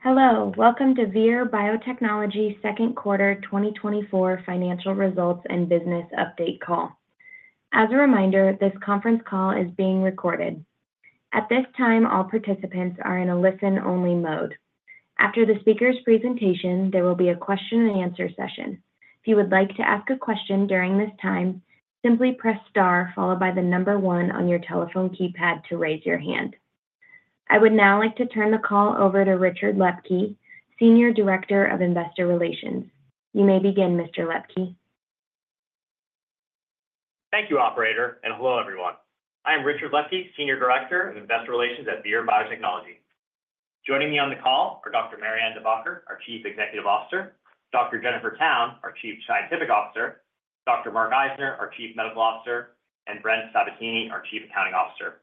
Hello, welcome to Vir Biotechnology's second quarter 2024 financial results and business update call. As a reminder, this conference call is being recorded. At this time, all participants are in a listen-only mode. After the speaker's presentation, there will be a question-and-answer session. If you would like to ask a question during this time, simply press star followed by the number 1 on your telephone keypad to raise your hand. I would now like to turn the call over to Richard Lepke, Senior Director of Investor Relations. You may begin, Mr. Lepke. Thank you, operator, and hello, everyone. I am Richard Lepke, Senior Director of Investor Relations at Vir Biotechnology. Joining me on the call are Dr. Marianne De Backer, our Chief Executive Officer, Dr. Jennifer Towne, our Chief Scientific Officer, Dr. Mark Eisner, our Chief Medical Officer, and Brent Sabatini, our Chief Accounting Officer.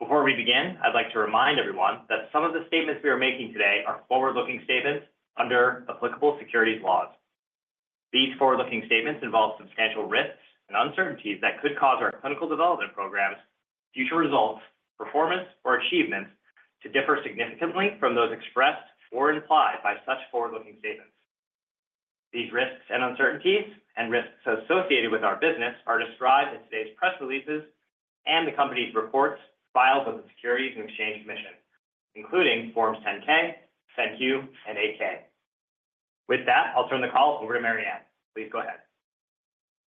Before we begin, I'd like to remind everyone that some of the statements we are making today are forward-looking statements under applicable securities laws. These forward-looking statements involve substantial risks and uncertainties that could cause our clinical development programs, future results, performance, or achievements to differ significantly From those expressed or implied by such forward-looking statements. These risks and uncertainties and risks associated with our business are described in today's press releases and the company's reports filed with the Securities and Exchange Commission, including Forms 10-K, 10-Q, and 8-K. With that, I'll turn the call over to Marianne. Please go ahead.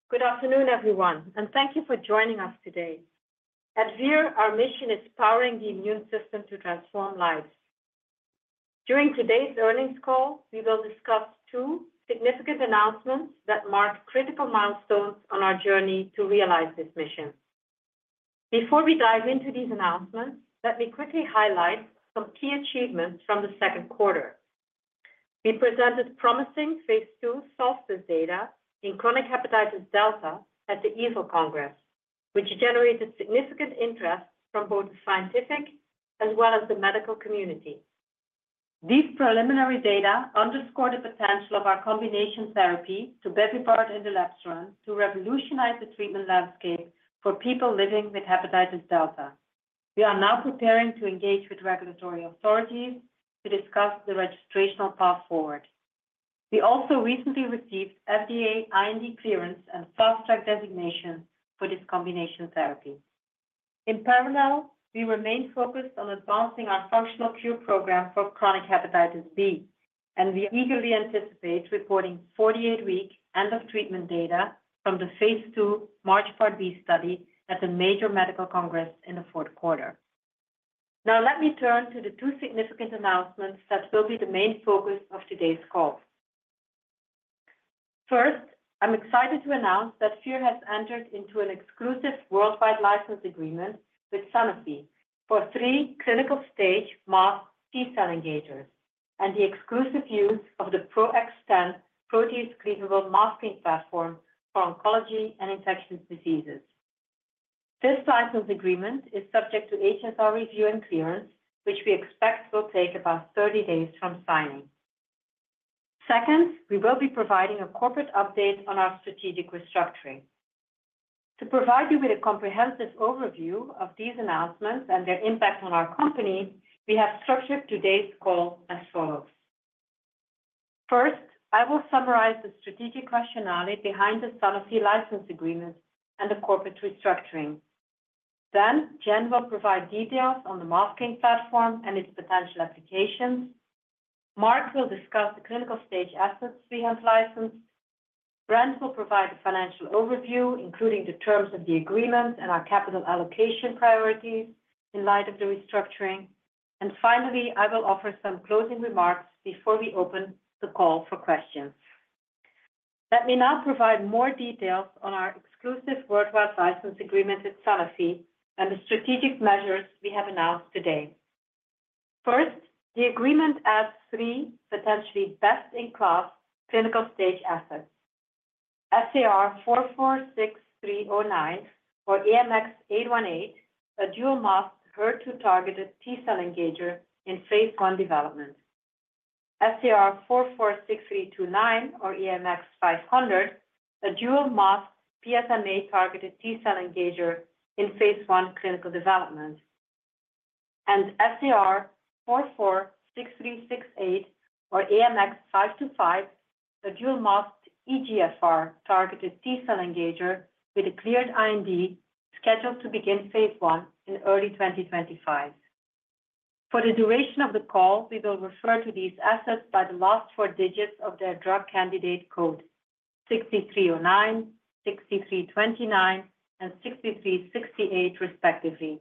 Good afternoon, everyone, and thank you for joining us today. At Vir, our mission is powering the immune system to transform lives. During today's earnings call, we will discuss two significant announcements that mark critical milestones on our journey to realize this mission. Before we dive into these announcements, let me quickly highlight some key achievements from the second quarter. We presented promising Phase II SOLSTICE data in chronic hepatitis delta at the EASL Congress, which generated significant interest from both the scientific as well as the medical community. These preliminary data underscore the potential of our combination therapy tobevibart and elebsiran to revolutionize the treatment landscape for people living with hepatitis delta. We are now preparing to engage with regulatory authorities to discuss the registrational path forward. We also recently received FDA IND clearance and Fast Track designation for this combination therapy. In parallel, we remain focused on advancing our functional cure program for chronic hepatitis B, and we eagerly anticipate reporting 48-week end of treatment data from the Phase II MARCH Part B study at the major medical congress in the fourth quarter. Now, let me turn to the 2 significant announcements that will be the main focus of today's call. First, I'm excited to announce that Vir has entered into an exclusive worldwide license agreement with Sanofi for 3 clinical-stage masked T-cell engagers and the exclusive use of the Pro-XTEN protease-cleavable masking platform for oncology and infectious diseases. This license agreement is subject to HSR review and clearance, which we expect will take about 30 days from signing. Second, we will be providing a corporate update on our strategic restructuring. To provide you with a comprehensive overview of these announcements and their impact on our company, we have structured today's call as follows. First, I will summarize the strategic rationale behind the Sanofi license agreement and the corporate restructuring. Then, Jen will provide details on the masking platform and its potential applications. Mark will discuss the clinical stage assets we have licensed. Brent will provide a financial overview, including the terms of the agreement and our capital allocation priorities in light of the restructuring. Finally, I will offer some closing remarks before we open the call for questions. Let me now provide more details on our exclusive worldwide license agreement with Sanofi and the strategic measures we have announced today. First, the agreement adds three potentially best-in-class clinical-stage assets. SAR446309 or AMX-818, a dual-masked HER2-targeted T-cell engager in phase I development. SAR446329 or AMX-500, a dual-masked PSMA-targeted T-cell engager in phase I clinical development. SAR446368 or AMX-525, a dual-masked EGFR-targeted T-cell engager with a cleared IND, scheduled to begin phase I in early 2025. For the duration of the call, we will refer to these assets by the last four digits of their drug candidate code, 6309, 6329, and 6368, respectively.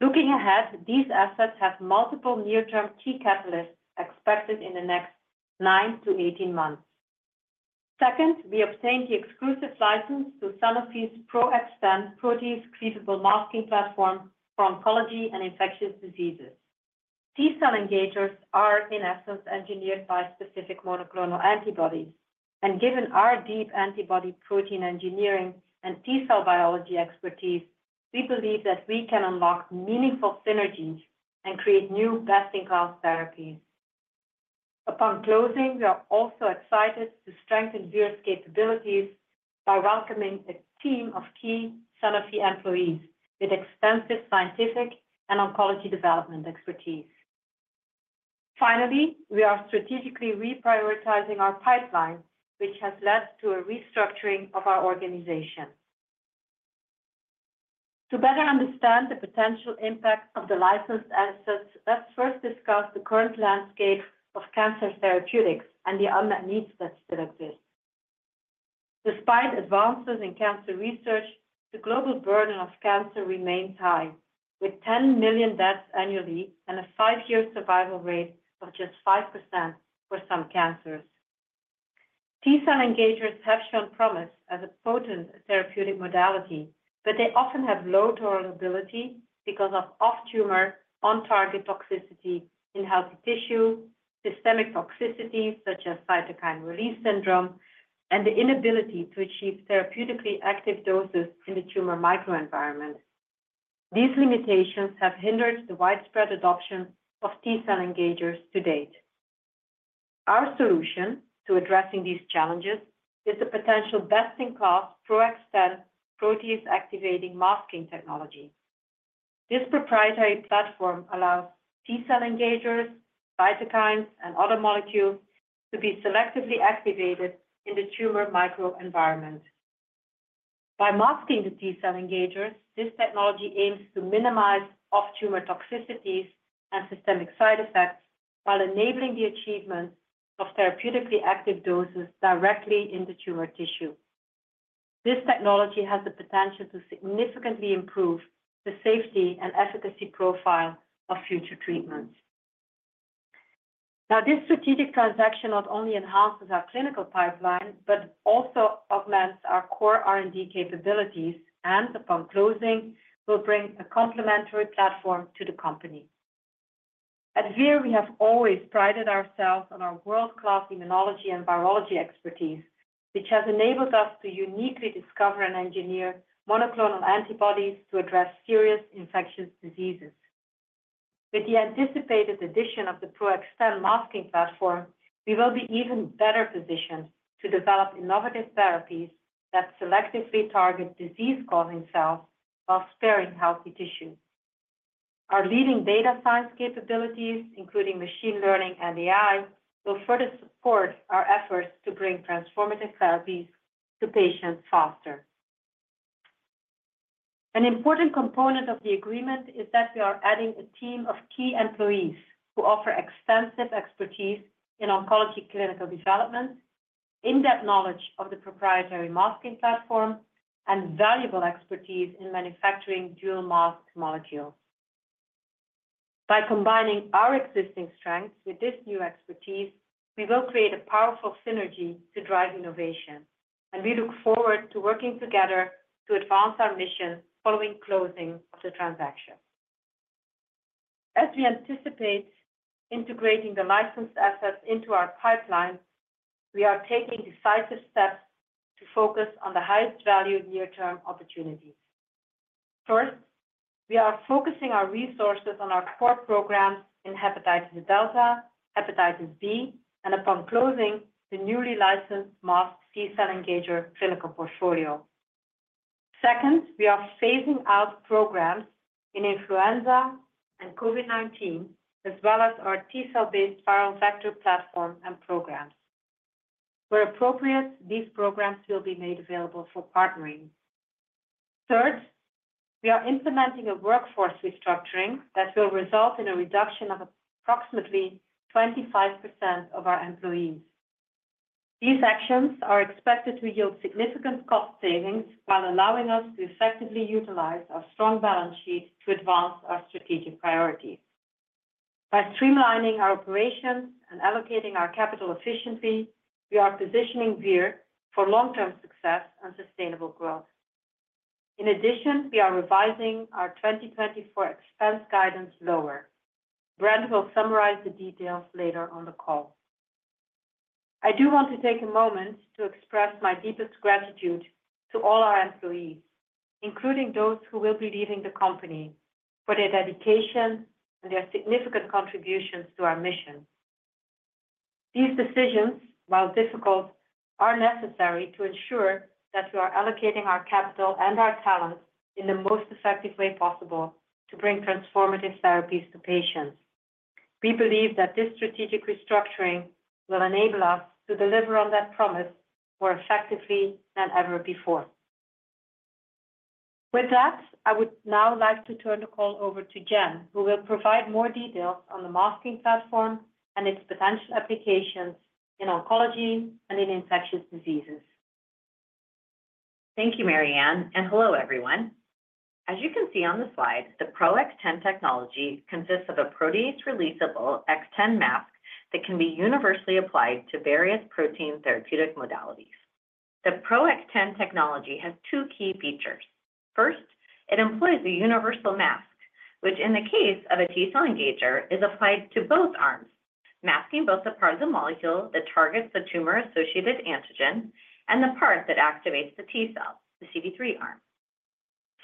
Looking ahead, these assets have multiple near-term key catalysts expected in the next 9 to 18 months. Second, we obtained the exclusive license to Sanofi's Pro-XTEN protease-cleavable masking platform for oncology and infectious diseases. T-cell engagers are, in essence, engineered bispecific monoclonal antibodies, and given our deep antibody protein engineering and T-cell biology expertise, we believe that we can unlock meaningful synergies and create new best-in-class therapies.... Upon closing, we are also excited to strengthen Vir's capabilities by welcoming a team of key Sanofi employees with extensive scientific and oncology development expertise. Finally, we are strategically reprioritizing our pipeline, which has led to a restructuring of our organization. To better understand the potential impact of the licensed assets, let's first discuss the current landscape of cancer therapeutics and the unmet needs that still exist. Despite advances in cancer research, the global burden of cancer remains high, with 10 million deaths annually and a five-year survival rate of just 5% for some cancers. T-cell engagers have shown promise as a potent therapeutic modality, but they often have low tolerability because of off-tumor, on-target toxicity in healthy tissue, systemic toxicity, such as cytokine release syndrome, and the inability to achieve therapeutically active doses in the tumor microenvironment. These limitations have hindered the widespread adoption of T-cell engagers to date. Our solution to addressing these challenges is the potential best-in-class Pro-XTEN protease-activating masking technology. This proprietary platform allows T-cell engagers, cytokines, and other molecules to be selectively activated in the tumor microenvironment. By masking the T-cell engagers, this technology aims to minimize off-tumor toxicities and systemic side effects while enabling the achievement of therapeutically active doses directly in the tumor tissue. This technology has the potential to significantly improve the safety and efficacy profile of future treatments. Now, this strategic transaction not only enhances our clinical pipeline, but also augments our core R&D capabilities, and upon closing, will bring a complementary platform to the company. At Vir, we have always prided ourselves on our world-class immunology and virology expertise, which has enabled us to uniquely discover and engineer monoclonal antibodies to address serious infectious diseases. With the anticipated addition of the Pro-XTEN masking platform, we will be even better positioned to develop innovative therapies that selectively target disease-causing cells while sparing healthy tissue. Our leading data science capabilities, including machine learning and AI, will further support our efforts to bring transformative therapies to patients faster. An important component of the agreement is that we are adding a team of key employees who offer extensive expertise in oncology clinical development, in-depth knowledge of the proprietary masking platform, and valuable expertise in manufacturing dual-masked molecules. By combining our existing strengths with this new expertise, we will create a powerful synergy to drive innovation, and we look forward to working together to advance our mission following closing of the transaction. As we anticipate integrating the licensed assets into our pipeline, we are taking decisive steps to focus on the highest value near-term opportunities. First, we are focusing our resources on our core programs in hepatitis delta, hepatitis B, and upon closing, the newly licensed masked T-cell engager clinical portfolio. Second, we are phasing out programs in influenza and COVID-19, as well as our T-cell-based viral vector platform and programs. Where appropriate, these programs will be made available for partnering. Third, we are implementing a workforce restructuring that will result in a reduction of approximately 25% of our employees. These actions are expected to yield significant cost savings while allowing us to effectively utilize our strong balance sheet to advance our strategic priorities. By streamlining our operations and allocating our capital efficiently, we are positioning Vir for long-term success and sustainable growth. In addition, we are revising our 2024 expense guidance lower. Brent will summarize the details later on the call. I do want to take a moment to express my deepest gratitude to all our employees, including those who will be leaving the company, for their dedication and their significant contributions to our mission. These decisions, while difficult, are necessary to ensure that we are allocating our capital and our talents in the most effective way possible to bring transformative therapies to patients. We believe that this strategic restructuring will enable us to deliver on that promise more effectively than ever before. With that, I would now like to turn the call over to Jen, who will provide more details on the masking platform and its potential applications in oncology and in infectious diseases. Thank you, Marianne, and hello, everyone. As you can see on the slide, the Pro-XTEN technology consists of a protease-releasable XTEN mask that can be universally applied to various protein therapeutic modalities. The Pro-XTEN technology has two key features. First, it employs a universal mask, which in the case of a T-cell engager, is applied to both arms, masking both the parts of the molecule that targets the tumor-associated antigen and the part that activates the T cell, the CD3 arm.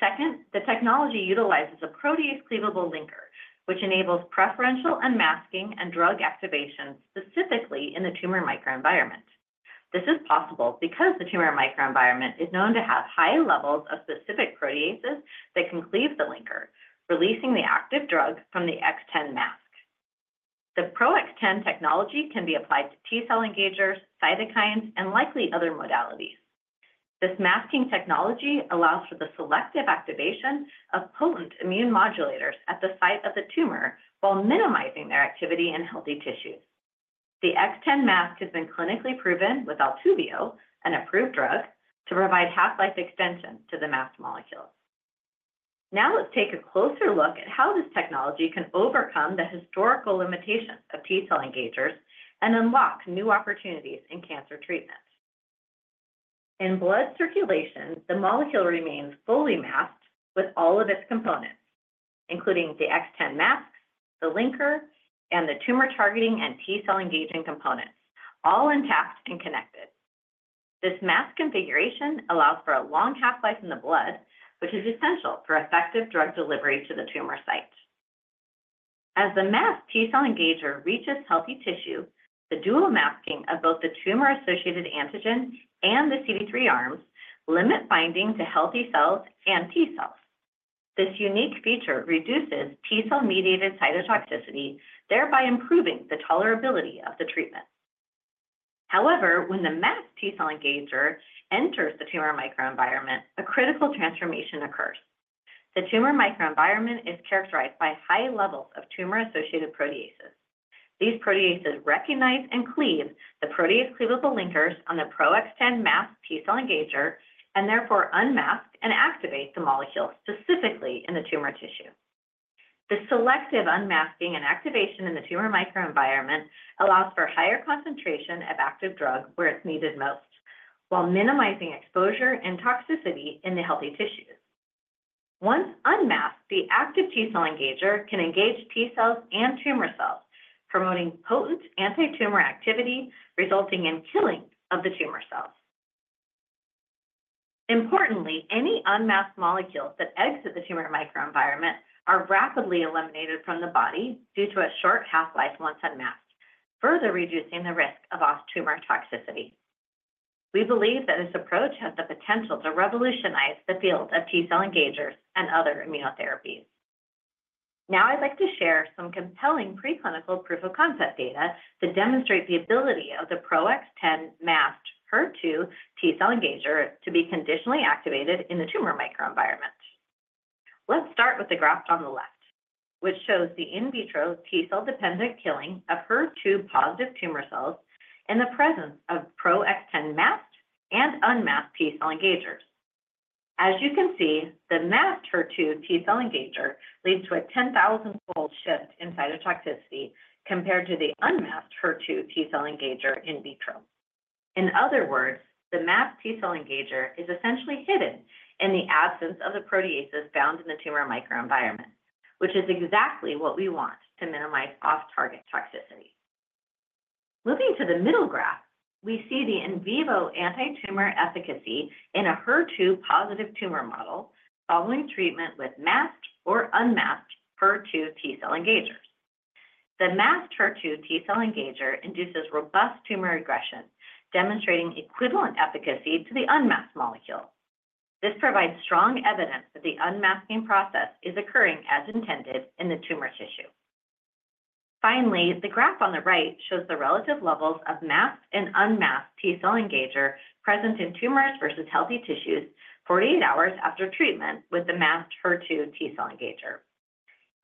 Second, the technology utilizes a protease cleavable linker, which enables preferential unmasking and drug activation specifically in the tumor microenvironment. This is possible because the tumor microenvironment is known to have high levels of specific proteases that can cleave the linker, releasing the active drug from the XTEN mask. The Pro-XTEN technology can be applied to T-cell engagers, cytokines, and likely other modalities. This masking technology allows for the selective activation of potent immune modulators at the site of the tumor while minimizing their activity in healthy tissues. The XTEN mask has been clinically proven with ALTUVIO, an approved drug, to provide half-life extension to the masked molecule. Now, let's take a closer look at how this technology can overcome the historical limitations of T-cell engagers and unlock new opportunities in cancer treatment. In blood circulation, the molecule remains fully masked with all of its components, including the XTEN mask, the linker, and the tumor targeting and T-cell engaging components, all intact and connected. This mask configuration allows for a long half-life in the blood, which is essential for effective drug delivery to the tumor site. As the masked T-cell engager reaches healthy tissue, the dual masking of both the tumor-associated antigen and the CD3 arms limit binding to healthy cells and T-cells. This unique feature reduces T-cell-mediated cytotoxicity, thereby improving the tolerability of the treatment. However, when the masked T-cell engager enters the tumor microenvironment, a critical transformation occurs. The tumor microenvironment is characterized by high levels of tumor-associated proteases. These proteases recognize and cleave the protease cleavable linkers on the Pro-XTEN masked T-cell engager, and therefore unmask and activate the molecule specifically in the tumor tissue. The selective unmasking and activation in the tumor microenvironment allows for higher concentration of active drug where it's needed most, while minimizing exposure and toxicity in the healthy tissues. Once unmasked, the active T-cell engager can engage T-cells and tumor cells, promoting potent antitumor activity, resulting in killing of the tumor cells. Importantly, any unmasked molecules that exit the tumor microenvironment are rapidly eliminated from the body due to a short half-life once unmasked, further reducing the risk of off-tumor toxicity. We believe that this approach has the potential to revolutionize the field of T-cell engagers and other immunotherapies. Now, I'd like to share some compelling preclinical proof-of-concept data to demonstrate the ability of the Pro-XTEN masked HER2 T-cell engager to be conditionally activated in the tumor microenvironment. Let's start with the graph on the left, which shows the in vitro T-cell dependent killing of HER2-positive tumor cells in the presence of Pro-XTEN masked and unmasked T-cell engagers. As you can see, the masked HER2 T-cell engager leads to a 10,000-fold shift in cytotoxicity compared to the unmasked HER2 T-cell engager in vitro. In other words, the masked T-cell engager is essentially hidden in the absence of the proteases found in the tumor microenvironment, which is exactly what we want to minimize off-target toxicity. Looking to the middle graph, we see the in vivo antitumor efficacy in a HER2-positive tumor model following treatment with masked or unmasked HER2 T-cell engagers. The masked HER2 T-cell engager induces robust tumor regression, demonstrating equivalent efficacy to the unmasked molecule. This provides strong evidence that the unmasking process is occurring as intended in the tumor tissue. Finally, the graph on the right shows the relative levels of masked and unmasked T-cell engager present in tumors versus healthy tissues 48 hours after treatment with the masked HER2 T-cell engager.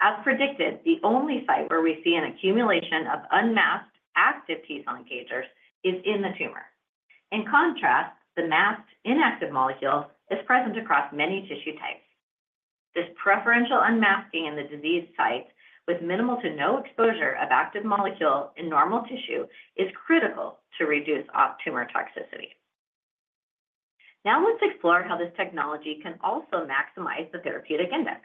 As predicted, the only site where we see an accumulation of unmasked active T-cell engagers is in the tumor. In contrast, the masked inactive molecule is present across many tissue types. This preferential unmasking in the disease site with minimal to no exposure of active molecule in normal tissue, is critical to reduce off-tumor toxicity. Now, let's explore how this technology can also maximize the therapeutic index.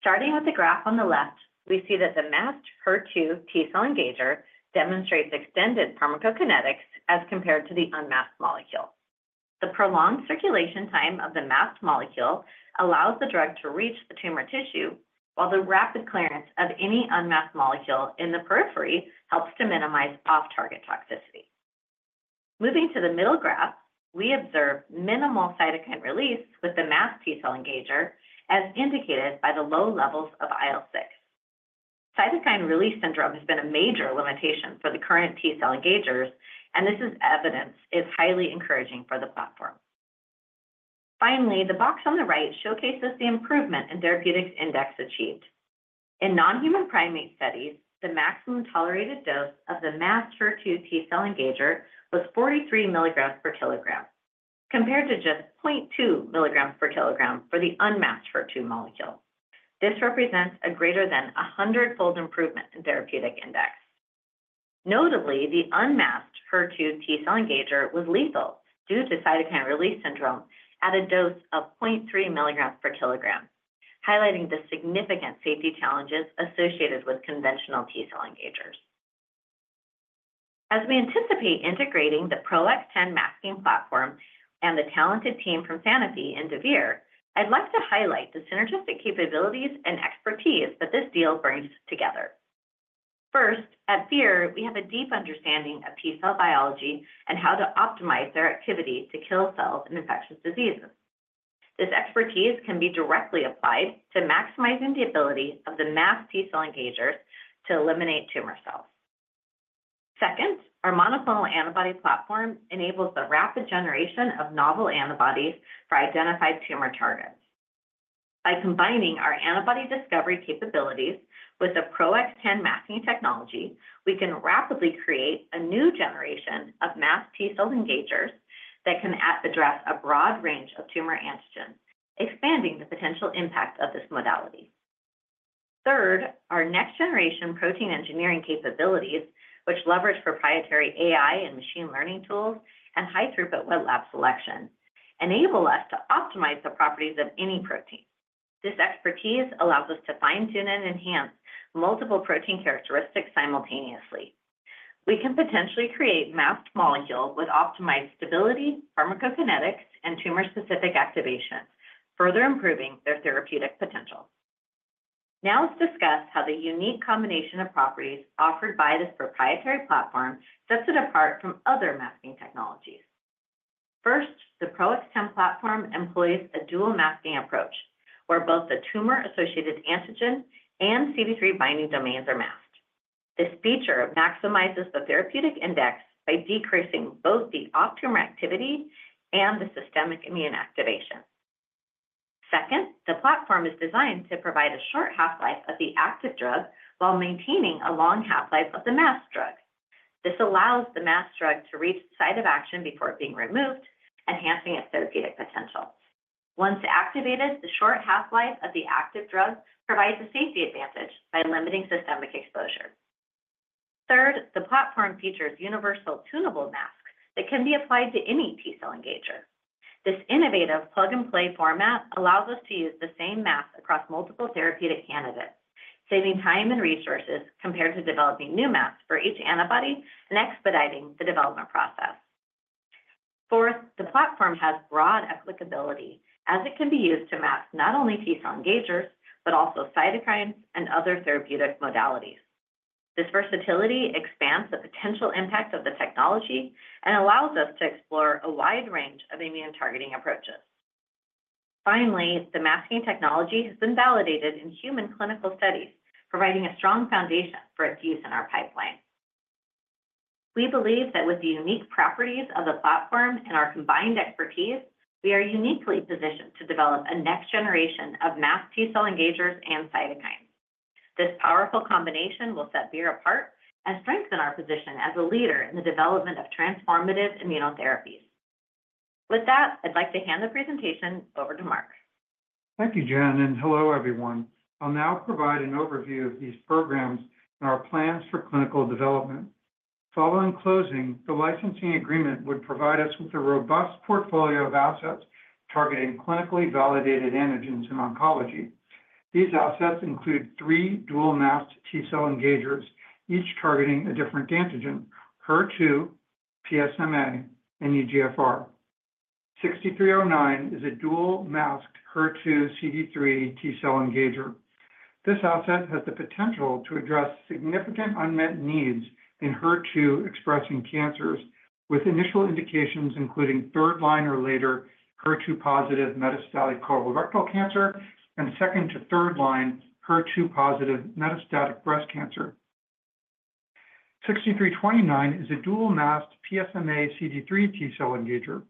Starting with the graph on the left, we see that the masked HER2 T-cell engager demonstrates extended pharmacokinetics as compared to the unmasked molecule. The prolonged circulation time of the masked molecule allows the drug to reach the tumor tissue, while the rapid clearance of any unmasked molecule in the periphery helps to minimize off-target toxicity. Moving to the middle graph, we observe minimal cytokine release with the masked T-cell engager, as indicated by the low levels of IL-6. Cytokine release syndrome has been a major limitation for the current T-cell engagers, and this evidence is highly encouraging for the platform. Finally, the box on the right showcases the improvement in therapeutic index achieved. In non-human primate studies, the maximum tolerated dose of the masked HER2 T-cell engager was 43 milligrams per kilogram, compared to just 0.2 milligrams per kilogram for the unmasked HER2 molecule. This represents a greater than 100-fold improvement in therapeutic index. Notably, the unmasked HER2 T-cell engager was lethal due to cytokine release syndrome at a dose of 0.3 milligrams per kilogram, highlighting the significant safety challenges associated with conventional T-cell engagers. As we anticipate integrating the Pro-XTEN masking platform and the talented team from Sanofi and Vir, I'd like to highlight the synergistic capabilities and expertise that this deal brings together. First, at Vir, we have a deep understanding of T cell biology and how to optimize their activity to kill cells in infectious diseases. This expertise can be directly applied to maximizing the ability of the masked T cell engagers to eliminate tumor cells. Second, our monoclonal antibody platform enables the rapid generation of novel antibodies for identified tumor targets. By combining our antibody discovery capabilities with the Pro-XTEN masking technology, we can rapidly create a new generation of masked T-cell engagers that can address a broad range of tumor antigens, expanding the potential impact of this modality. Third, our next-generation protein engineering capabilities, which leverage proprietary AI and machine learning tools and high-throughput wet lab selection, enable us to optimize the properties of any protein. This expertise allows us to fine-tune and enhance multiple protein characteristics simultaneously. We can potentially create masked molecules with optimized stability, pharmacokinetics, and tumor-specific activation, further improving their therapeutic potential. Now, let's discuss how the unique combination of properties offered by this proprietary platform sets it apart from other masking technologies. First, the Pro-XTEN platform employs a dual masking approach, where both the tumor-associated antigen and CD3 binding domains are masked. This feature maximizes the therapeutic index by decreasing both the off-tumor activity and the systemic immune activation. Second, the platform is designed to provide a short half-life of the active drug while maintaining a long half-life of the masked drug. This allows the masked drug to reach the site of action before being removed, enhancing its therapeutic potential. Once activated, the short half-life of the active drug provides a safety advantage by limiting systemic exposure. Third, the platform features universal tunable masks that can be applied to any T-cell engager. This innovative plug-and-play format allows us to use the same mask across multiple therapeutic candidates, saving time and resources compared to developing new masks for each antibody and expediting the development process. Fourth, the platform has broad applicability, as it can be used to mask not only T-cell engagers, but also cytokines and other therapeutic modalities. This versatility expands the potential impact of the technology and allows us to explore a wide range of immune-targeting approaches. Finally, the masking technology has been validated in human clinical studies, providing a strong foundation for its use in our pipeline. We believe that with the unique properties of the platform and our combined expertise, we are uniquely positioned to develop a next generation of masked T-cell engagers and cytokines. This powerful combination will set Vir apart and strengthen our position as a leader in the development of transformative immunotherapies. With that, I'd like to hand the presentation over to Mark. Thank you, Jen, and hello, everyone. I'll now provide an overview of these programs and our plans for clinical development. Following closing, the licensing agreement would provide us with a robust portfolio of assets targeting clinically validated antigens in oncology. These assets include three dual-masked T-cell engagers, each targeting a different antigen: HER2, PSMA, and EGFR. 446309 is a dual-masked HER2 CD3 T-cell engager. This asset has the potential to address significant unmet needs in HER2-expressing cancers, with initial indications including third line or later HER2-positive metastatic colorectal cancer and second to third line HER2-positive metastatic breast cancer. 446329 is a dual-masked PSMA CD3 T-cell engager.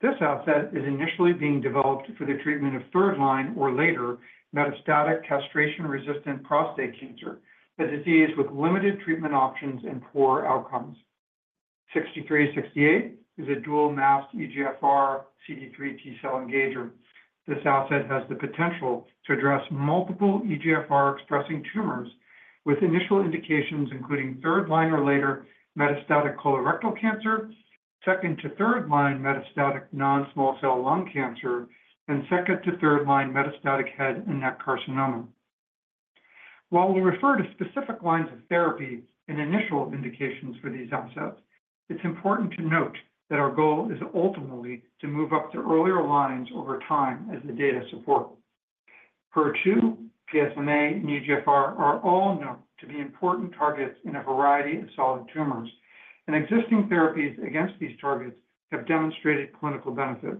This asset is initially being developed for the treatment of third line or later metastatic castration-resistant prostate cancer, a disease with limited treatment options and poor outcomes. 446368 is a dual-masked EGFR CD3 T-cell engager. This asset has the potential to address multiple EGFR-expressing tumors with initial indications including third line or later metastatic colorectal cancer, second to third line metastatic non-small cell lung cancer, and second to third line metastatic head and neck carcinoma. While we refer to specific lines of therapy and initial indications for these assets, it's important to note that our goal is ultimately to move up to earlier lines over time as the data support. HER2, PSMA, and EGFR are all known to be important targets in a variety of solid tumors, and existing therapies against these targets have demonstrated clinical benefit.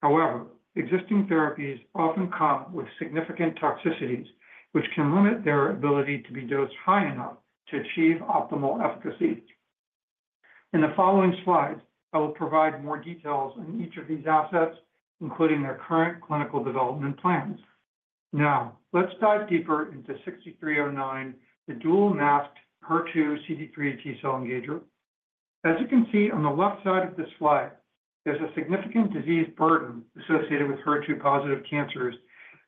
However, existing therapies often come with significant toxicities, which can limit their ability to be dosed high enough to achieve optimal efficacy. In the following slides, I will provide more details on each of these assets, including their current clinical development plans. Now, let's dive deeper into 6309, the dual-masked HER2-CD3 T-cell engager. As you can see on the left side of this slide, there's a significant disease burden associated with HER2-positive cancers,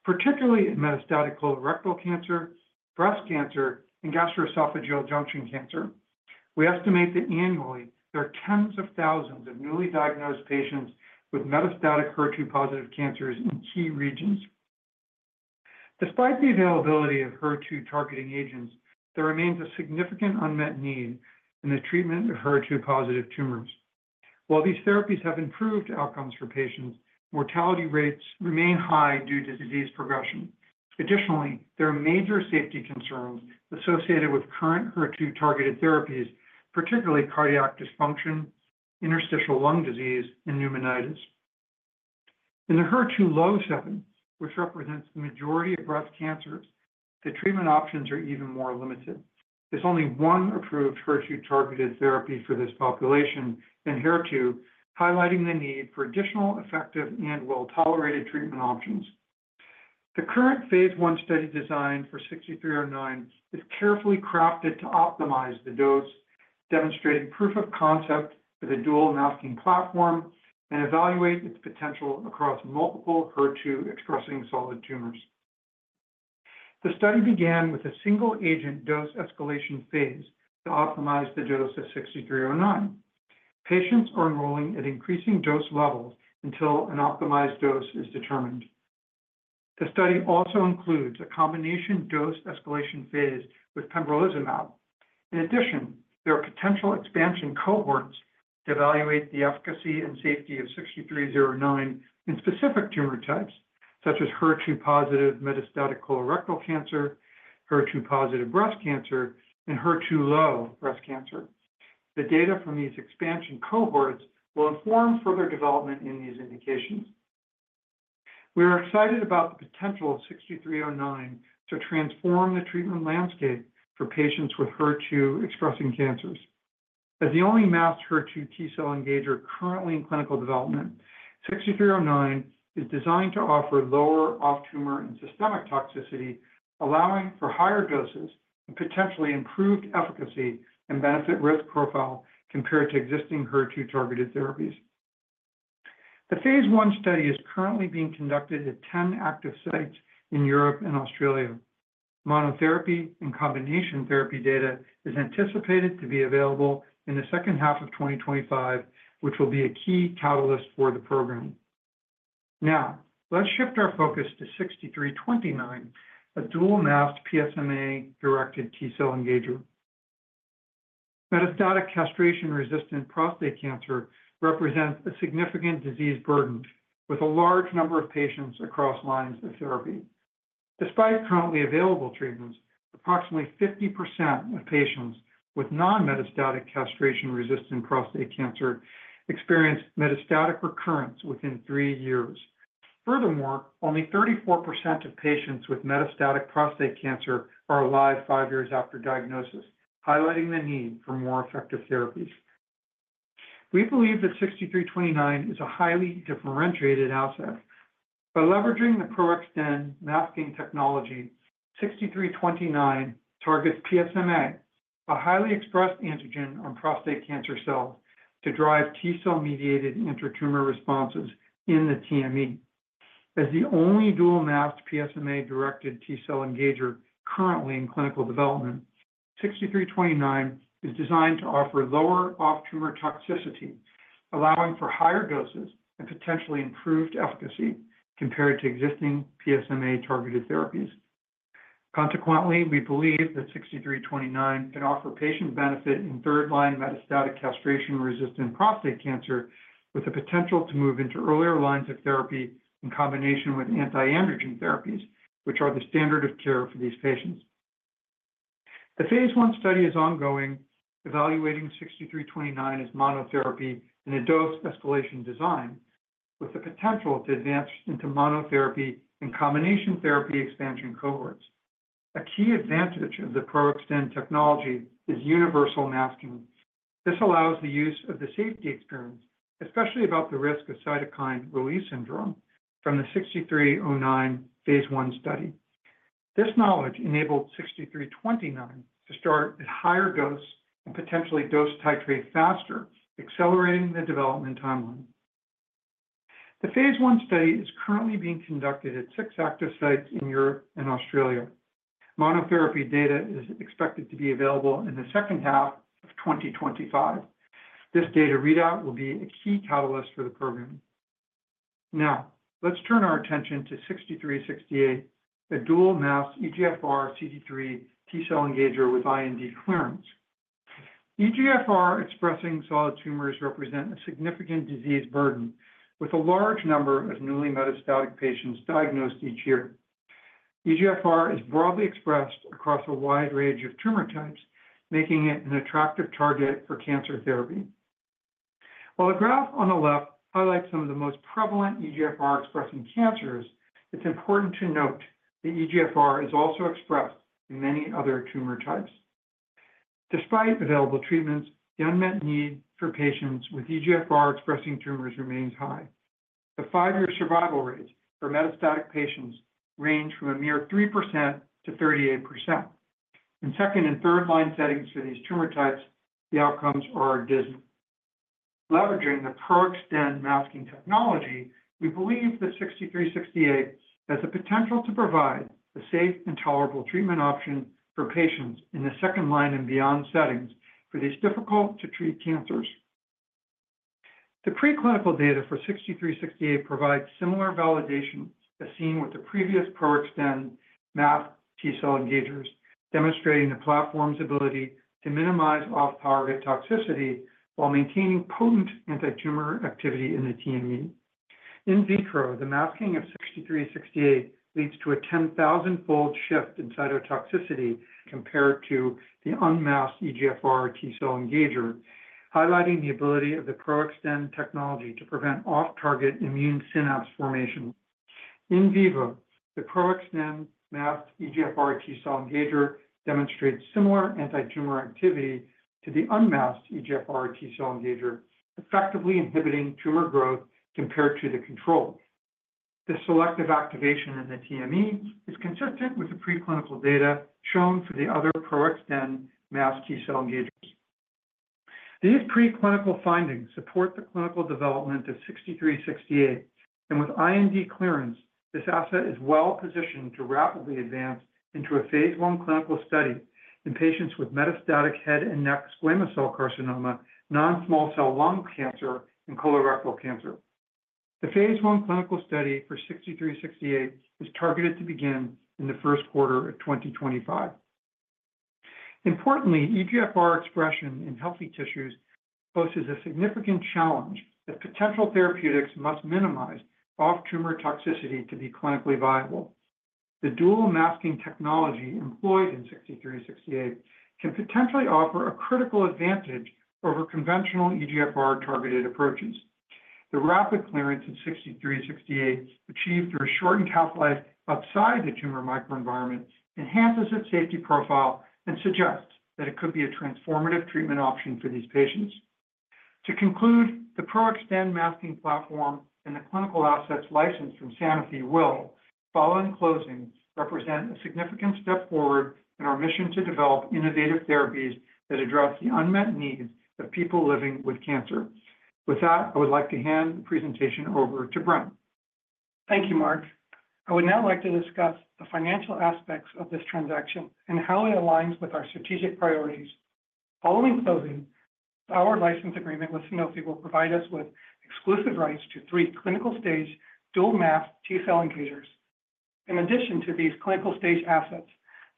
particularly in metastatic colorectal cancer, breast cancer, and gastroesophageal junction cancer. We estimate that annually, there are tens of thousands of newly diagnosed patients with metastatic HER2-positive cancers in key regions.... Despite the availability of HER2-targeting agents, there remains a significant unmet need in the treatment of HER2-positive tumors. While these therapies have improved outcomes for patients, mortality rates remain high due to disease progression. Additionally, there are major safety concerns associated with current HER2-targeted therapies, particularly cardiac dysfunction, interstitial lung disease, and pneumonitis. In the HER2-low setting, which represents the majority of breast cancers, the treatment options are even more limited. There's only one approved HER2-targeted therapy for this population in HER2, highlighting the need for additional effective and well-tolerated treatment options. The current Phase 1 study design for 446309 is carefully crafted to optimize the dose, demonstrating proof of concept with a dual-masking platform, and evaluate its potential across multiple HER2-expressing solid tumors. The study began with a single-agent dose escalation phase to optimize the dose of 446309. Patients are enrolling at increasing dose levels until an optimized dose is determined. The study also includes a combination dose escalation phase with pembrolizumab. In addition, there are potential expansion cohorts to evaluate the efficacy and safety of 446309 in specific tumor types, such as HER2-positive metastatic colorectal cancer, HER2-positive breast cancer, and HER2-low breast cancer. The data from these expansion cohorts will inform further development in these indications. We are excited about the potential of 6309 to transform the treatment landscape for patients with HER2-expressing cancers. As the only masked HER2 T-cell engager currently in clinical development, 6309 is designed to offer lower off-tumor and systemic toxicity, allowing for higher doses and potentially improved efficacy and benefit-risk profile compared to existing HER2-targeted therapies. The Phase 1 study is currently being conducted at 10 active sites in Europe and Australia. Monotherapy and combination therapy data is anticipated to be available in the second half of 2025, which will be a key catalyst for the program. Now, let's shift our focus to 6329, a dual-masked PSMA-directed T-cell engager. Metastatic castration-resistant prostate cancer represents a significant disease burden, with a large number of patients across lines of therapy. Despite currently available treatments, approximately 50% of patients with non-metastatic castration-resistant prostate cancer experience metastatic recurrence within 3 years. Furthermore, only 34% of patients with metastatic prostate cancer are alive 5 years after diagnosis, highlighting the need for more effective therapies. We believe that 446329 is a highly differentiated asset. By leveraging the Pro-XTEN masking technology, 446329 targets PSMA, a highly expressed antigen on prostate cancer cells, to drive T-cell-mediated intra-tumor responses in the TME. As the only dual-masked PSMA-directed T-cell engager currently in clinical development, 446329 is designed to offer lower off-tumor toxicity, allowing for higher doses and potentially improved efficacy compared to existing PSMA-targeted therapies. Consequently, we believe that 6329 can offer patient benefit in third-line metastatic castration-resistant prostate cancer, with the potential to move into earlier lines of therapy in combination with anti-androgen therapies, which are the standard of care for these patients. The phase one study is ongoing, evaluating 6329 as monotherapy in a dose-escalation design, with the potential to advance into monotherapy and combination therapy expansion cohorts. A key advantage of the Pro-XTEN technology is universal masking. This allows the use of the safety experience, especially about the risk of cytokine release syndrome from the 6309 phase one study. This knowledge enabled 6329 to start at higher dose and potentially dose titrate faster, accelerating the development timeline. The phase one study is currently being conducted at six active sites in Europe and Australia. Monotherapy data is expected to be available in the second half of 2025. This data readout will be a key catalyst for the program. Now, let's turn our attention to 6368, a dual-masked EGFR CD3 T-cell engager with IND clearance. EGFR-expressing solid tumors represent a significant disease burden, with a large number of newly metastatic patients diagnosed each year. EGFR is broadly expressed across a wide range of tumor types, making it an attractive target for cancer therapy. While the graph on the left highlights some of the most prevalent EGFR-expressing cancers, it's important to note that EGFR is also expressed in many other tumor types. Despite available treatments, the unmet need for patients with EGFR-expressing tumors remains high. The five-year survival rates for metastatic patients range from a mere 3% to 38%. In second- and third-line settings for these tumor types, the outcomes are dismal. Leveraging the Pro-XTEN masking technology, we believe that 6368 has the potential to provide a safe and tolerable treatment option for patients in the second-line and beyond settings for these difficult-to-treat cancers. The preclinical data for 6368 provides similar validation as seen with the previous Pro-XTEN masked T-cell engagers, demonstrating the platform's ability to minimize off-target toxicity while maintaining potent antitumor activity in the TME. In vitro, the masking of 6368 leads to a 10,000-fold shift in cytotoxicity compared to the unmasked EGFR T-cell engager, highlighting the ability of the Pro-XTEN technology to prevent off-target immune synapse formation. In vivo, the Pro-XTEN masked EGFR T-cell engager demonstrates similar antitumor activity to the unmasked EGFR T-cell engager, effectively inhibiting tumor growth compared to the control. The selective activation in the TME is consistent with the preclinical data shown for the other Pro-XTEN masked T-cell engagers. These preclinical findings support the clinical development of 446368, and with IND clearance, this asset is well positioned to rapidly advance into a phase I clinical study in patients with metastatic head and neck squamous cell carcinoma, non-small cell lung cancer, and colorectal cancer. The phase I clinical study for 446368 is targeted to begin in the first quarter of 2025. Importantly, EGFR expression in healthy tissues poses a significant challenge that potential therapeutics must minimize off-tumor toxicity to be clinically viable. The dual masking technology employed in 446368 can potentially offer a critical advantage over conventional EGFR-targeted approaches. The rapid clearance of 446368, achieved through a shortened half-life outside the tumor microenvironment, enhances its safety profile and suggests that it could be a transformative treatment option for these patients. To conclude, the Pro-XTEN masking platform and the clinical assets licensed from Sanofi will, following closing, represent a significant step forward in our mission to develop innovative therapies that address the unmet needs of people living with cancer. With that, I would like to hand the presentation over to Brent. Thank you, Mark. I would now like to discuss the financial aspects of this transaction and how it aligns with our strategic priorities. Following closing, our license agreement with Sanofi will provide us with exclusive rights to three clinical-stage dual-masked T-cell engagers. In addition to these clinical-stage assets,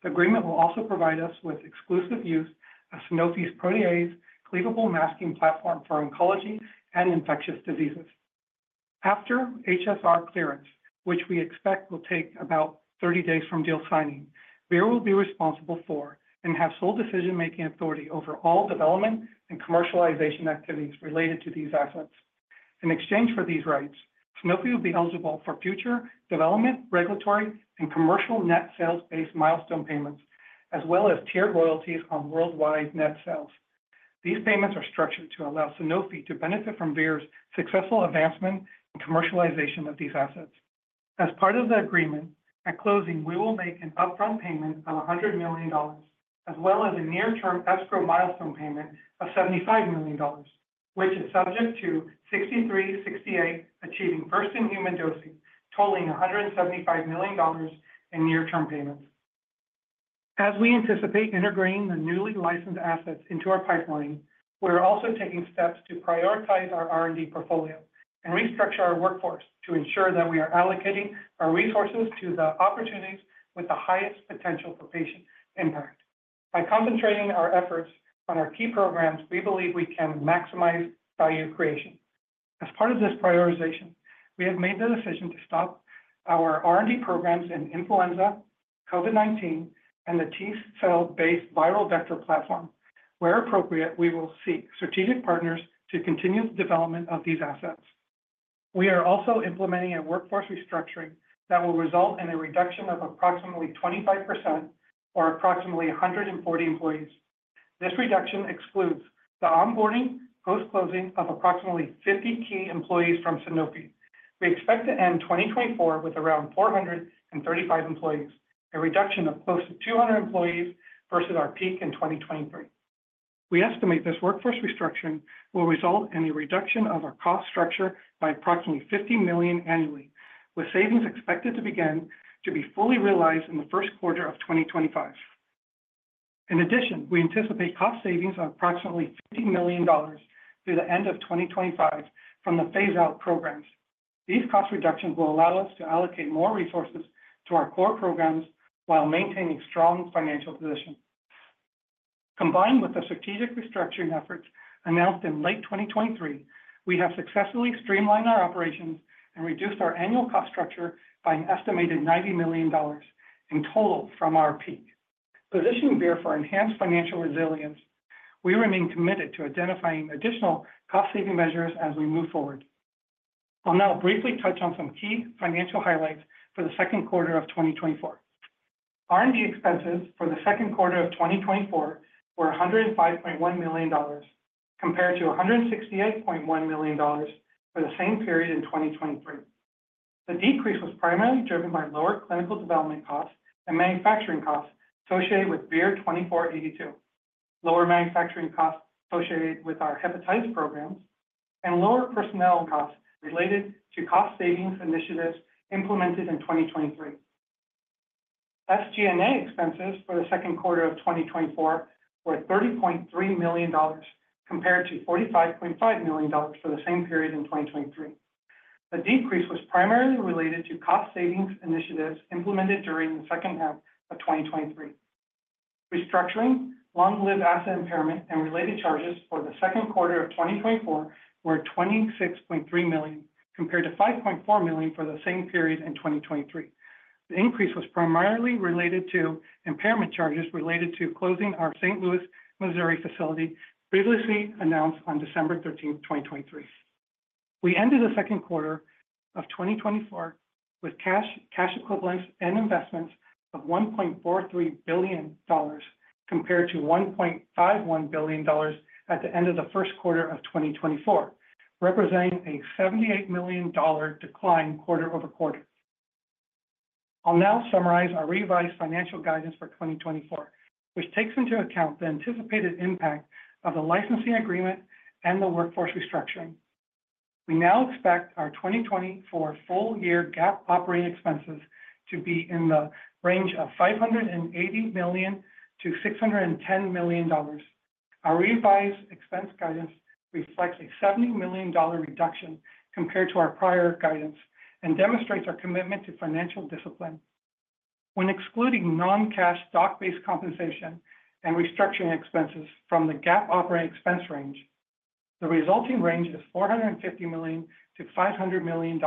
the agreement will also provide us with exclusive use of Sanofi's protease cleavable masking platform for oncology and infectious diseases. After HSR clearance, which we expect will take about 30 days from deal signing, we will be responsible for and have sole decision-making authority over all development and commercialization activities related to these assets. In exchange for these rights, Sanofi will be eligible for future development, regulatory, and commercial net sales-based milestone payments, as well as tiered royalties on worldwide net sales. These payments are structured to allow Sanofi to benefit from Vir's successful advancement and commercialization of these assets. As part of the agreement, at closing, we will make an upfront payment of $100 million, as well as a near-term escrow milestone payment of $75 million, which is subject to 63-68 achieving first-in-human dosing, totaling $175 million in near-term payments. As we anticipate integrating the newly licensed assets into our pipeline, we're also taking steps to prioritize our R&D portfolio and restructure our workforce to ensure that we are allocating our resources to the opportunities with the highest potential for patient impact. By concentrating our efforts on our key programs, we believe we can maximize value creation. As part of this prioritization, we have made the decision to stop our R&D programs in influenza, COVID-19, and the T-cell-based viral vector platform. Where appropriate, we will seek strategic partners to continue the development of these assets. We are also implementing a workforce restructuring that will result in a reduction of approximately 25% or approximately 140 employees. This reduction excludes the onboarding post-closing of approximately 50 key employees from Sanofi. We expect to end 2024 with around 435 employees, a reduction of close to 200 employees versus our peak in 2023. We estimate this workforce restructuring will result in a reduction of our cost structure by approximately $50 million annually, with savings expected to begin to be fully realized in the first quarter of 2025. In addition, we anticipate cost savings of approximately $50 million through the end of 2025 from the phase-out programs. These cost reductions will allow us to allocate more resources to our core programs while maintaining strong financial position. Combined with the strategic restructuring efforts announced in late 2023, we have successfully streamlined our operations and reduced our annual cost structure by an estimated $90 million in total from our peak. Positioning Vir for enhanced financial resilience, we remain committed to identifying additional cost-saving measures as we move forward. I'll now briefly touch on some key financial highlights for the second quarter of 2024. R&D expenses for the second quarter of 2024 were $105.1 million, compared to $168.1 million for the same period in 2023. The decrease was primarily driven by lower clinical development costs and manufacturing costs associated with VIR-2482, lower manufacturing costs associated with our hepatitis programs, and lower personnel costs related to cost savings initiatives implemented in 2023. SG&A expenses for the second quarter of 2024 were $30.3 million, compared to $45.5 million for the same period in 2023. The decrease was primarily related to cost savings initiatives implemented during the second half of 2023. Restructuring, long-lived asset impairment, and related charges for the second quarter of 2024 were $26.3 million, compared to $5.4 million for the same period in 2023. The increase was primarily related to impairment charges related to closing our St. Louis, Missouri facility, previously announced on December thirteenth, 2023. We ended the second quarter of 2024 with cash, cash equivalents, and investments of $1.43 billion, compared to $1.51 billion at the end of the first quarter of 2024, representing a $78 million decline quarter over quarter. I'll now summarize our revised financial guidance for 2024, which takes into account the anticipated impact of the licensing agreement and the workforce restructuring. We now expect our 2024 full year GAAP operating expenses to be in the range of $580 million-$610 million. Our revised expense guidance reflects a $70 million reduction compared to our prior guidance and demonstrates our commitment to financial discipline. When excluding non-cash stock-based compensation and restructuring expenses from the GAAP operating expense range, the resulting range is $450 million-$500 million,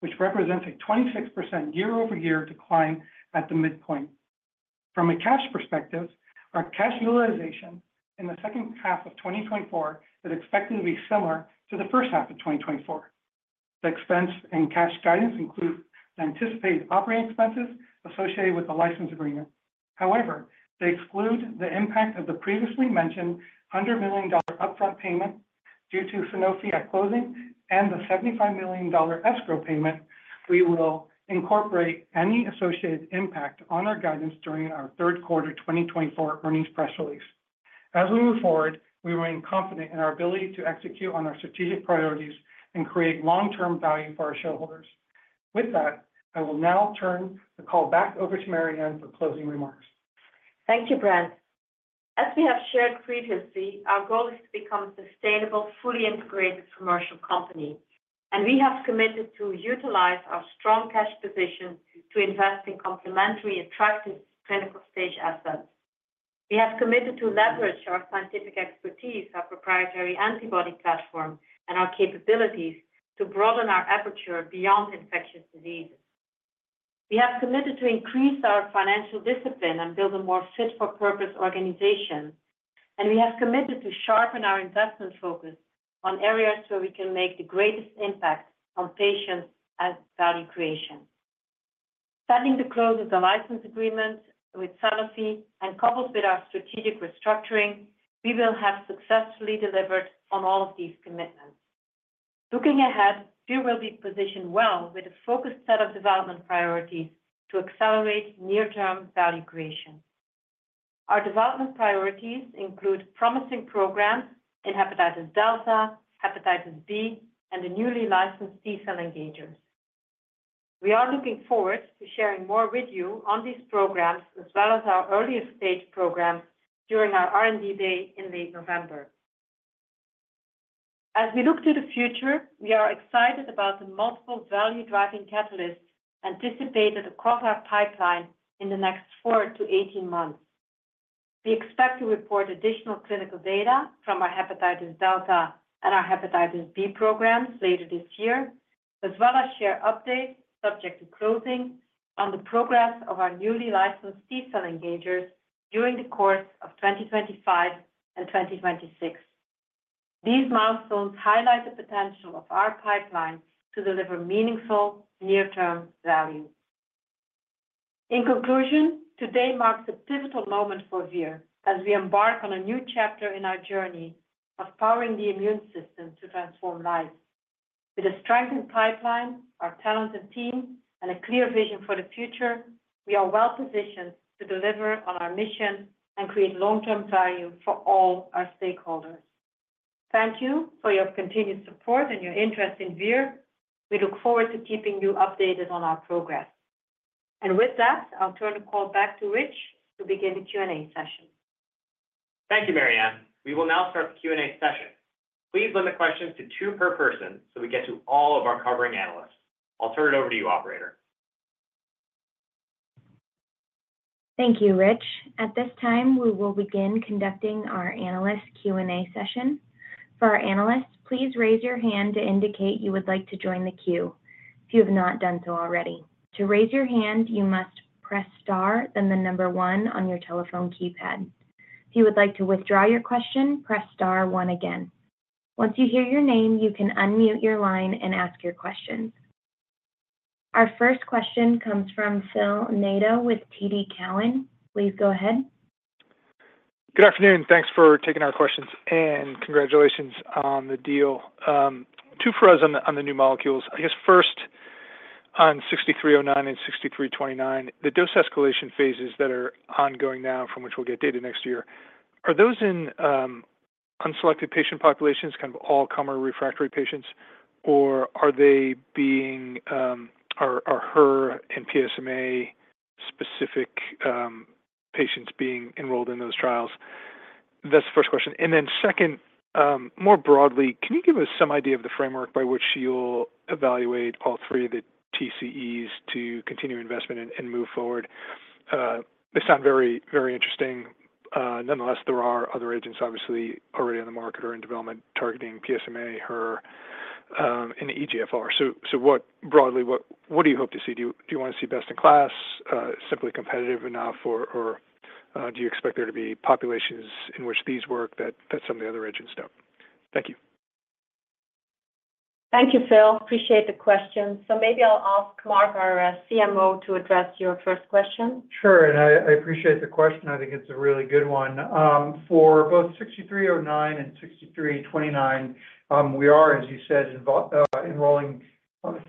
which represents a 26% year-over-year decline at the midpoint. From a cash perspective, our cash utilization in the second half of 2024 is expected to be similar to the first half of 2024. The expense and cash guidance include the anticipated operating expenses associated with the license agreement. However, they exclude the impact of the previously mentioned $100 million upfront payment due to Sanofi at closing and the $75 million escrow payment. We will incorporate any associated impact on our guidance during our third quarter 2024 earnings press release. As we move forward, we remain confident in our ability to execute on our strategic priorities and create long-term value for our shareholders. With that, I will now turn the call back over to Marianne for closing remarks. Thank you, Brent. As we have shared previously, our goal is to become a sustainable, fully integrated commercial company, and we have committed to utilize our strong cash position to invest in complementary attractive clinical stage assets. We have committed to leverage our scientific expertise, our proprietary antibody platform, and our capabilities to broaden our aperture beyond infectious diseases. We have committed to increase our financial discipline and build a more fit-for-purpose organization, and we have committed to sharpen our investment focus on areas where we can make the greatest impact on patients and value creation. Planning to close the license agreement with Sanofi, and coupled with our strategic restructuring, we will have successfully delivered on all of these commitments. Looking ahead, we will be positioned well with a focused set of development priorities to accelerate near-term value creation. Our development priorities include promising programs in Hepatitis Delta, Hepatitis B, and the newly licensed T-cell engagers. We are looking forward to sharing more with you on these programs, as well as our earlier stage programs during our R&D Day in late November. As we look to the future, we are excited about the multiple value-driving catalysts anticipated across our pipeline in the next 4-18 months. We expect to report additional clinical data from our Hepatitis Delta and our Hepatitis B programs later this year, as well as share updates subject to closing on the progress of our newly licensed T-cell engagers during the course of 2025 and 2026. These milestones highlight the potential of our pipeline to deliver meaningful near-term value. In conclusion, today marks a pivotal moment for Vir as we embark on a new chapter in our journey of powering the immune system to transform lives. With a strengthened pipeline, our talented team, and a clear vision for the future, we are well positioned to deliver on our mission and create long-term value for all our stakeholders. Thank you for your continued support and your interest in Vir. We look forward to keeping you updated on our progress. And with that, I'll turn the call back to Rich to begin the Q&A session. Thank you, Marianne. We will now start the Q&A session. Please limit questions to two per person so we get to all of our covering analysts. I'll turn it over to you, operator. Thank you, Rich. At this time, we will begin conducting our analyst Q&A session. For our analysts, please raise your hand to indicate you would like to join the queue, if you have not done so already. To raise your hand, you must press star, then the number 1 on your telephone keypad. If you would like to withdraw your question, press star 1 again. Once you hear your name, you can unmute your line and ask your question. Our first question comes from Phil Nadeau with TD Cowen. Please go ahead. Good afternoon. Thanks for taking our questions, and congratulations on the deal. Two for us on the new molecules. I guess, first, on 6309 and 6329, the dose escalation phases that are ongoing now, from which we'll get data next year, are those in,... unselected patient populations, kind of all comer refractory patients, or are they being, are HER and PSMA specific, patients being enrolled in those trials? That's the first question. And then second, more broadly, can you give us some idea of the framework by which you'll evaluate all three of the TCEs to continue investment and, and move forward? They sound very, very interesting. Nonetheless, there are other agents obviously already on the market or in development targeting PSMA, HER, and EGFR. So, what, broadly, what do you hope to see? Do you want to see best in class, simply competitive enough, or do you expect there to be populations in which these work that some of the other agents don't? Thank you. Thank you, Phil. Appreciate the question. Maybe I'll ask Mark, our CMO, to address your first question. Sure, and I appreciate the question. I think it's a really good one. For both 6309 and 6329, we are, as you said, enrolling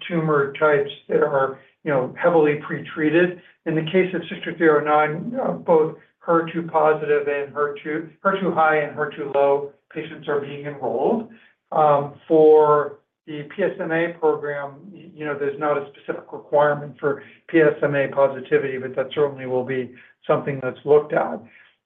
tumor types that are, you know, heavily pretreated. In the case of 6309, both HER2 positive and HER2 high and HER2 low patients are being enrolled. For the PSMA program, you know, there's not a specific requirement for PSMA positivity, but that certainly will be something that's looked at.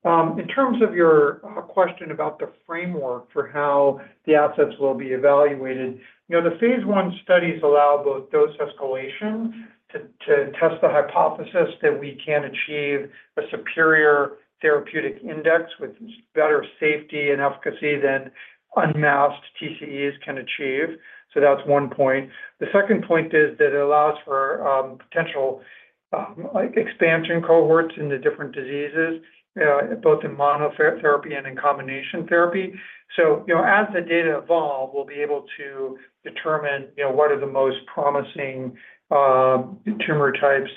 In terms of your question about the framework for how the assets will be evaluated, you know, the phase 1 studies allow both dose escalation to test the hypothesis that we can achieve a superior therapeutic index with better safety and efficacy than unmasked TCEs can achieve. So that's one point. The second point is that it allows for potential, like, expansion cohorts into different diseases, both in monotherapy and in combination therapy. So, you know, as the data evolve, we'll be able to determine, you know, what are the most promising tumor types,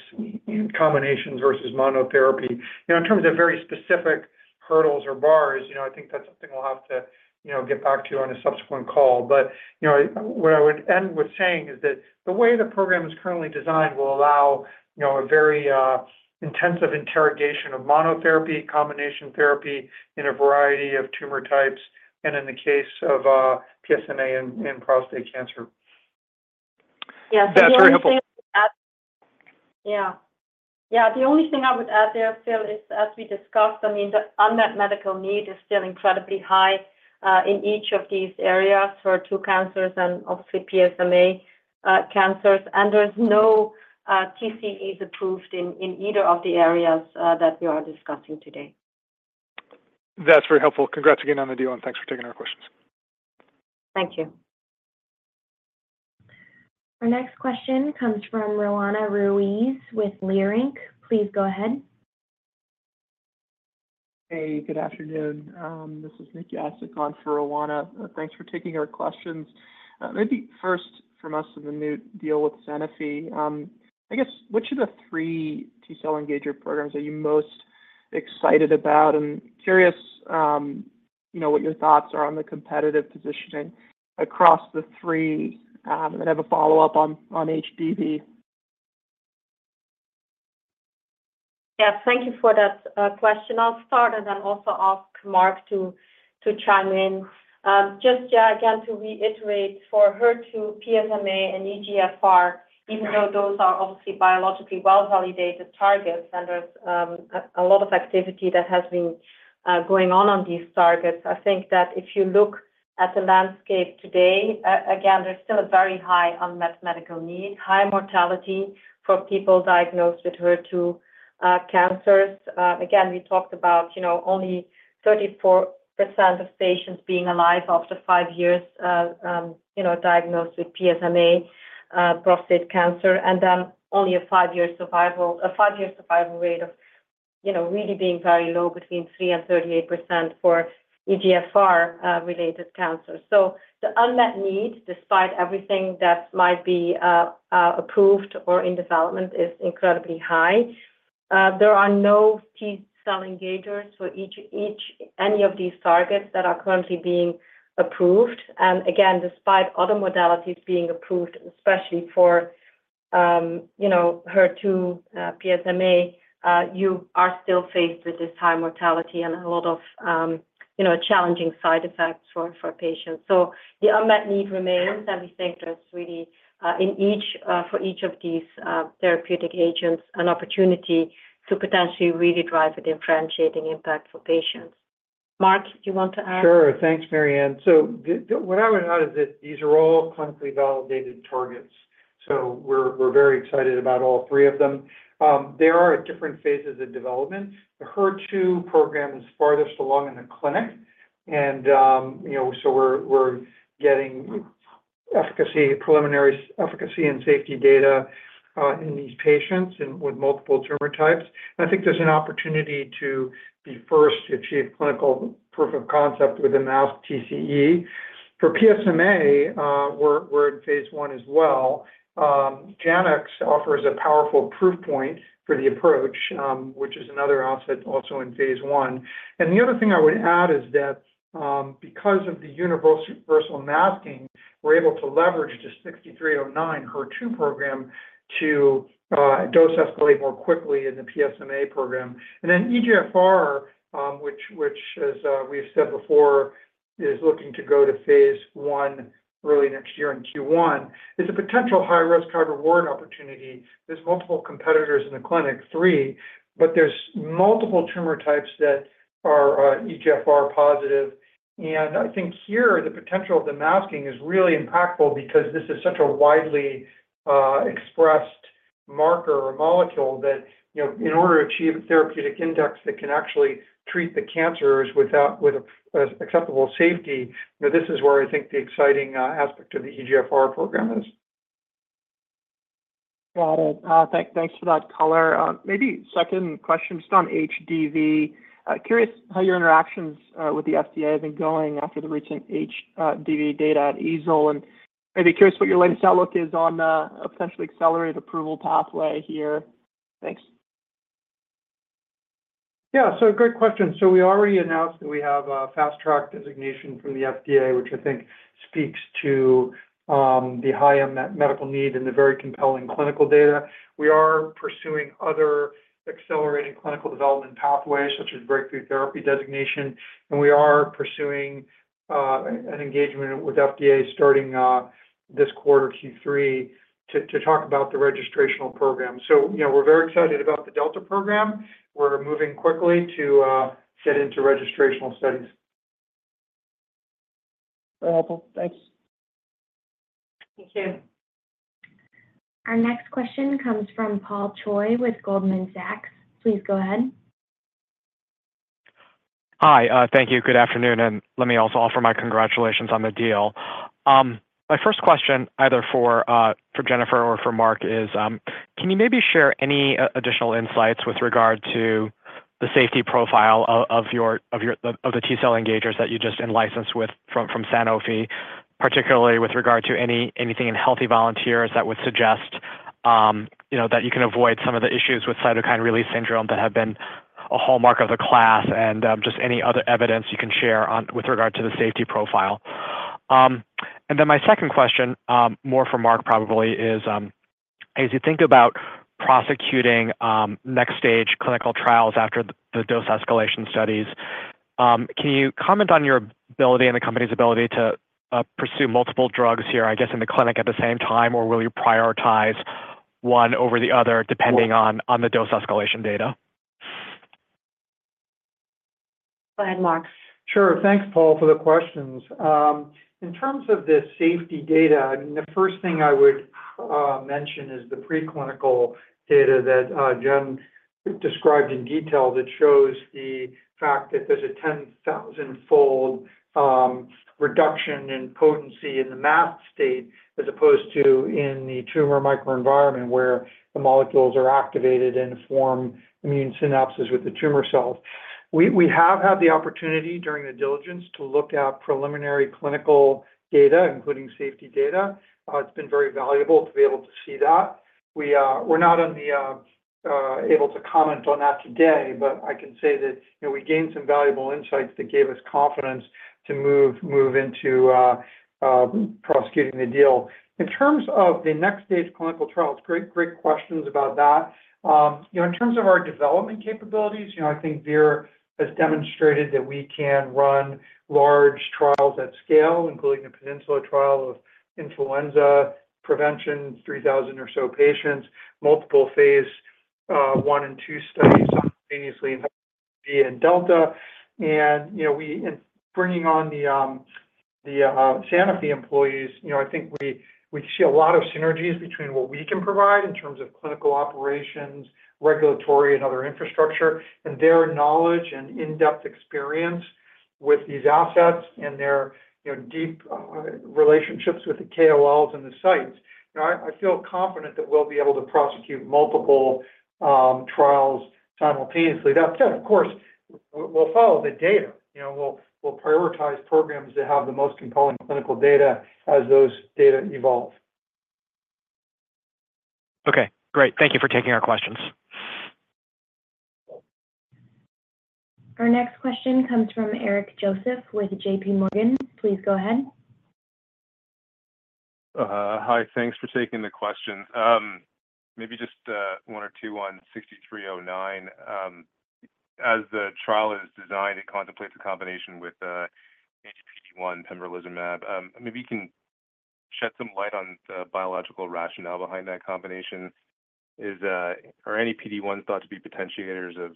combinations versus monotherapy. You know, in terms of very specific hurdles or bars, you know, I think that's something we'll have to, you know, get back to you on a subsequent call. But, you know, what I would end with saying is that the way the program is currently designed will allow, you know, a very intensive interrogation of monotherapy, combination therapy in a variety of tumor types, and in the case of PSMA and prostate cancer. Yeah. That's very helpful. Yeah. Yeah, the only thing I would add there, Phil, is, as we discussed, I mean, the unmet medical need is still incredibly high, in each of these areas for two cancers and obviously PSMA, cancers, and there's no, TCEs approved in, either of the areas, that we are discussing today. That's very helpful. Congrats again on the deal, and thanks for taking our questions. Thank you. Our next question comes from Roanna Ruiz with Leerink. Please go ahead. Hey, good afternoon. This is Nick Abbott on for Roanna. Thanks for taking our questions. Maybe first from us on the new deal with Sanofi, I guess, which of the three T-cell engager programs are you most excited about? And curious, you know, what your thoughts are on the competitive positioning across the three, and I have a follow-up on HDV. Yeah, thank you for that question. I'll start and then also ask Mark to chime in. Just, yeah, again, to reiterate, for HER2, PSMA, and EGFR, even though those are obviously biologically well-validated targets and there's a lot of activity that has been going on on these targets, I think that if you look at the landscape today, again, there's still a very high unmet medical need, high mortality for people diagnosed with HER2 cancers. Again, we talked about, you know, only 34% of patients being alive after five years, you know, diagnosed with PSMA prostate cancer, and then only a five-year survival rate of, you know, really being very low, between 3%-38% for EGFR related cancers. So the unmet need, despite everything that might be approved or in development, is incredibly high. There are no T-cell engagers for any of these targets that are currently being approved. And again, despite other modalities being approved, especially for, you know, HER2, PSMA, you are still faced with this high mortality and a lot of, you know, challenging side effects for patients. So the unmet need remains, and we think there's really for each of these therapeutic agents an opportunity to potentially really drive a differentiating impact for patients. Mark, do you want to add? Sure. Thanks, Marianne. So what I would add is that these are all clinically validated targets, so we're very excited about all three of them. They are at different phases of development. The HER2 program is farthest along in the clinic, and, you know, so we're getting efficacy, preliminary efficacy and safety data in these patients and with multiple tumor types. I think there's an opportunity to be first to achieve clinical proof of concept with a masked TCE. For PSMA, we're in phase one as well. Janux offers a powerful proof point for the approach, which is another asset also in phase one. And the other thing I would add is that, because of the universal masking, we're able to leverage the 6309 HER2 program to dose escalate more quickly in the PSMA program. Then EGFR, which as we've said before, is looking to go to phase 1 early next year in Q1, is a potential high-risk, high-reward opportunity. There's multiple competitors in the clinic, 3, but there's multiple tumor types that are EGFR positive. And I think here, the potential of the masking is really impactful because this is such a widely expressed marker or molecule that, you know, in order to achieve a therapeutic index that can actually treat the cancers without with acceptable safety, you know, this is where I think the exciting aspect of the EGFR program is. Got it. Thanks for that color. Maybe second question, just on HDV. Curious how your interactions with the FDA have been going after the recent HDV data at EASL, and maybe curious what your latest outlook is on a potential accelerated approval pathway here. Thanks. Yeah, so great question. So we already announced that we have a Fast Track designation from the FDA, which I think speaks to the high medical need and the very compelling clinical data. We are pursuing other accelerated clinical development pathways, such as Breakthrough Therapy designation, and we are pursuing an engagement with FDA starting this quarter, Q3, to talk about the registrational program. So, you know, we're very excited about the Delta program. We're moving quickly to get into registrational studies. Very helpful. Thanks. Thank you. Our next question comes from Paul Choi with Goldman Sachs. Please go ahead. Hi. Thank you. Good afternoon, and let me also offer my congratulations on the deal. My first question, either for Jennifer or for Mark, is, can you maybe share any additional insights with regard to the safety profile of your T-cell engagers that you just in-licensed from Sanofi, particularly with regard to anything in healthy volunteers that would suggest, you know, that you can avoid some of the issues with cytokine release syndrome that have been a hallmark of the class, and just any other evidence you can share on, with regard to the safety profile? And then my second question, more for Mark probably, is, as you think about prosecuting next stage clinical trials after the dose escalation studies, can you comment on your ability and the company's ability to pursue multiple drugs here, I guess, in the clinic at the same time, or will you prioritize one over the other, depending on the dose escalation data? Go ahead, Mark. Sure. Thanks, Paul, for the questions. In terms of the safety data, I mean, the first thing I would mention is the preclinical data that Jen described in detail that shows the fact that there's a 10,000-fold reduction in potency in the masked state, as opposed to in the tumor microenvironment, where the molecules are activated and form immune synapses with the tumor cells. We have had the opportunity during the diligence to look at preliminary clinical data, including safety data. It's been very valuable to be able to see that. We're not able to comment on that today, but I can say that, you know, we gained some valuable insights that gave us confidence to move into prosecuting the deal. In terms of the next stage clinical trials, great, great questions about that. You know, in terms of our development capabilities, you know, I think Vir has demonstrated that we can run large trials at scale, including the Peninsula trial of influenza prevention, 3,000 or so patients, multiple phase one and two studies simultaneously in Delta. And, you know, we- in bringing on the, the, Sanofi employees, you know, I think we, we see a lot of synergies between what we can provide in terms of clinical operations, regulatory and other infrastructure, and their knowledge and in-depth experience with these assets and their, you know, deep, relationships with the KOLs and the sites. You know, I, I feel confident that we'll be able to prosecute multiple, trials simultaneously. That said, of course, we'll, we'll follow the data. You know, we'll prioritize programs that have the most compelling clinical data as those data evolve. Okay, great. Thank you for taking our questions. Our next question comes from Eric Joseph with J.P. Morgan. Please go ahead. Hi, thanks for taking the question. Maybe just one or two on 6309. As the trial is designed, it contemplates a combination with anti-PD-1 pembrolizumab. Maybe you can shed some light on the biological rationale behind that combination. Are any PD-1s thought to be potentiators of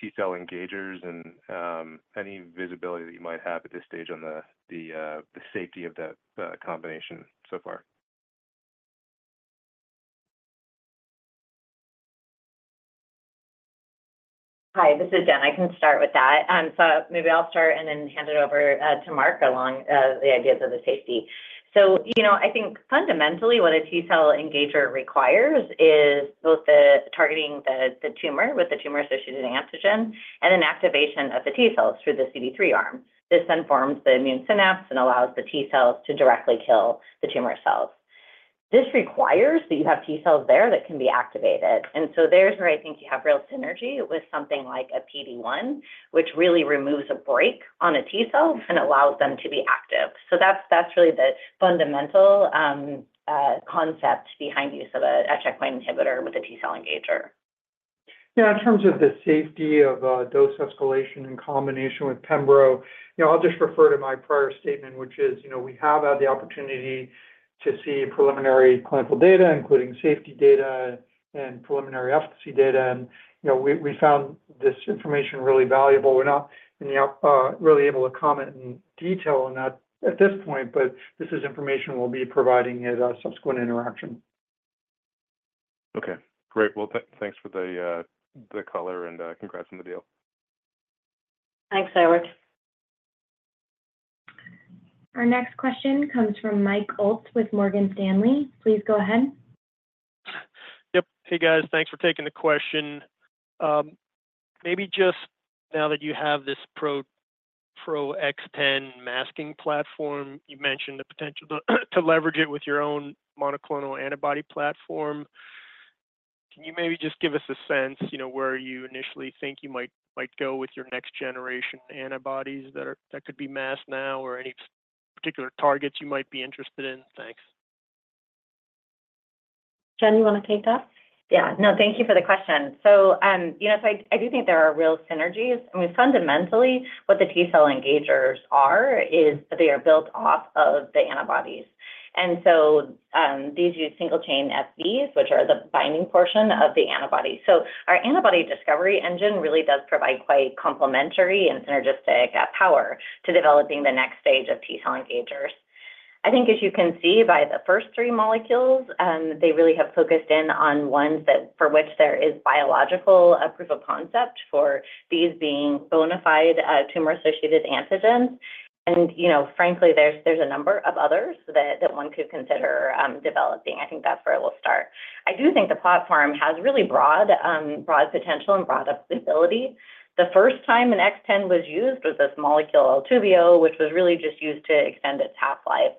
T-cell engagers and any visibility that you might have at this stage on the safety of that combination so far? Hi, this is Jen. I can start with that. So maybe I'll start and then hand it over to Mark along the ideas of the safety. So, you know, I think fundamentally, what a T-cell engager requires is both the targeting the tumor with the tumor-associated antigen and an activation of the T cells through the CD3 arm. This then forms the immune synapse and allows the T cells to directly kill the tumor cells. This requires that you have T cells there that can be activated, and so that's where I think you have real synergy with something like a PD-1, which really removes a brake on a T cell and allows them to be active. So that's really the fundamental concept behind use of a checkpoint inhibitor with a T-cell engager.... Yeah, in terms of the safety of dose escalation in combination with pembro, you know, I'll just refer to my prior statement, which is, you know, we have had the opportunity to see preliminary clinical data, including safety data and preliminary efficacy data, and, you know, we found this information really valuable. We're not, you know, really able to comment in detail on that at this point, but this is information we'll be providing at a subsequent interaction. Okay, great. Well, thanks for the color, and congrats on the deal. Thanks, Eric. Our next question comes from Michael Ulz with Morgan Stanley. Please go ahead. Yep. Hey, guys. Thanks for taking the question. Maybe just now that you have this Pro-XTEN masking platform, you mentioned the potential to leverage it with your own monoclonal antibody platform. Can you maybe just give us a sense, you know, where you initially think you might go with your next generation antibodies that could be masked now or any particular targets you might be interested in? Thanks. Jen, you want to take that? Yeah. No, thank you for the question. So, you know, so I, I do think there are real synergies. I mean, fundamentally, what the T-cell engagers are, is they are built off of the antibodies. And so, these use single-chain FVs, which are the binding portion of the antibody. So our antibody discovery engine really does provide quite complementary and synergistic power to developing the next stage of T-cell engagers. I think, as you can see by the first three molecules, they really have focused in on ones that for which there is biological proof of concept for these being bona fide tumor-associated antigens. And, you know, frankly, there's, there's a number of others that, that one could consider developing. I think that's where we'll start. I do think the platform has really broad broad potential and broad applicability. The first time an XTEN was used was this molecule, ALTUVIO, which was really just used to extend its half-life.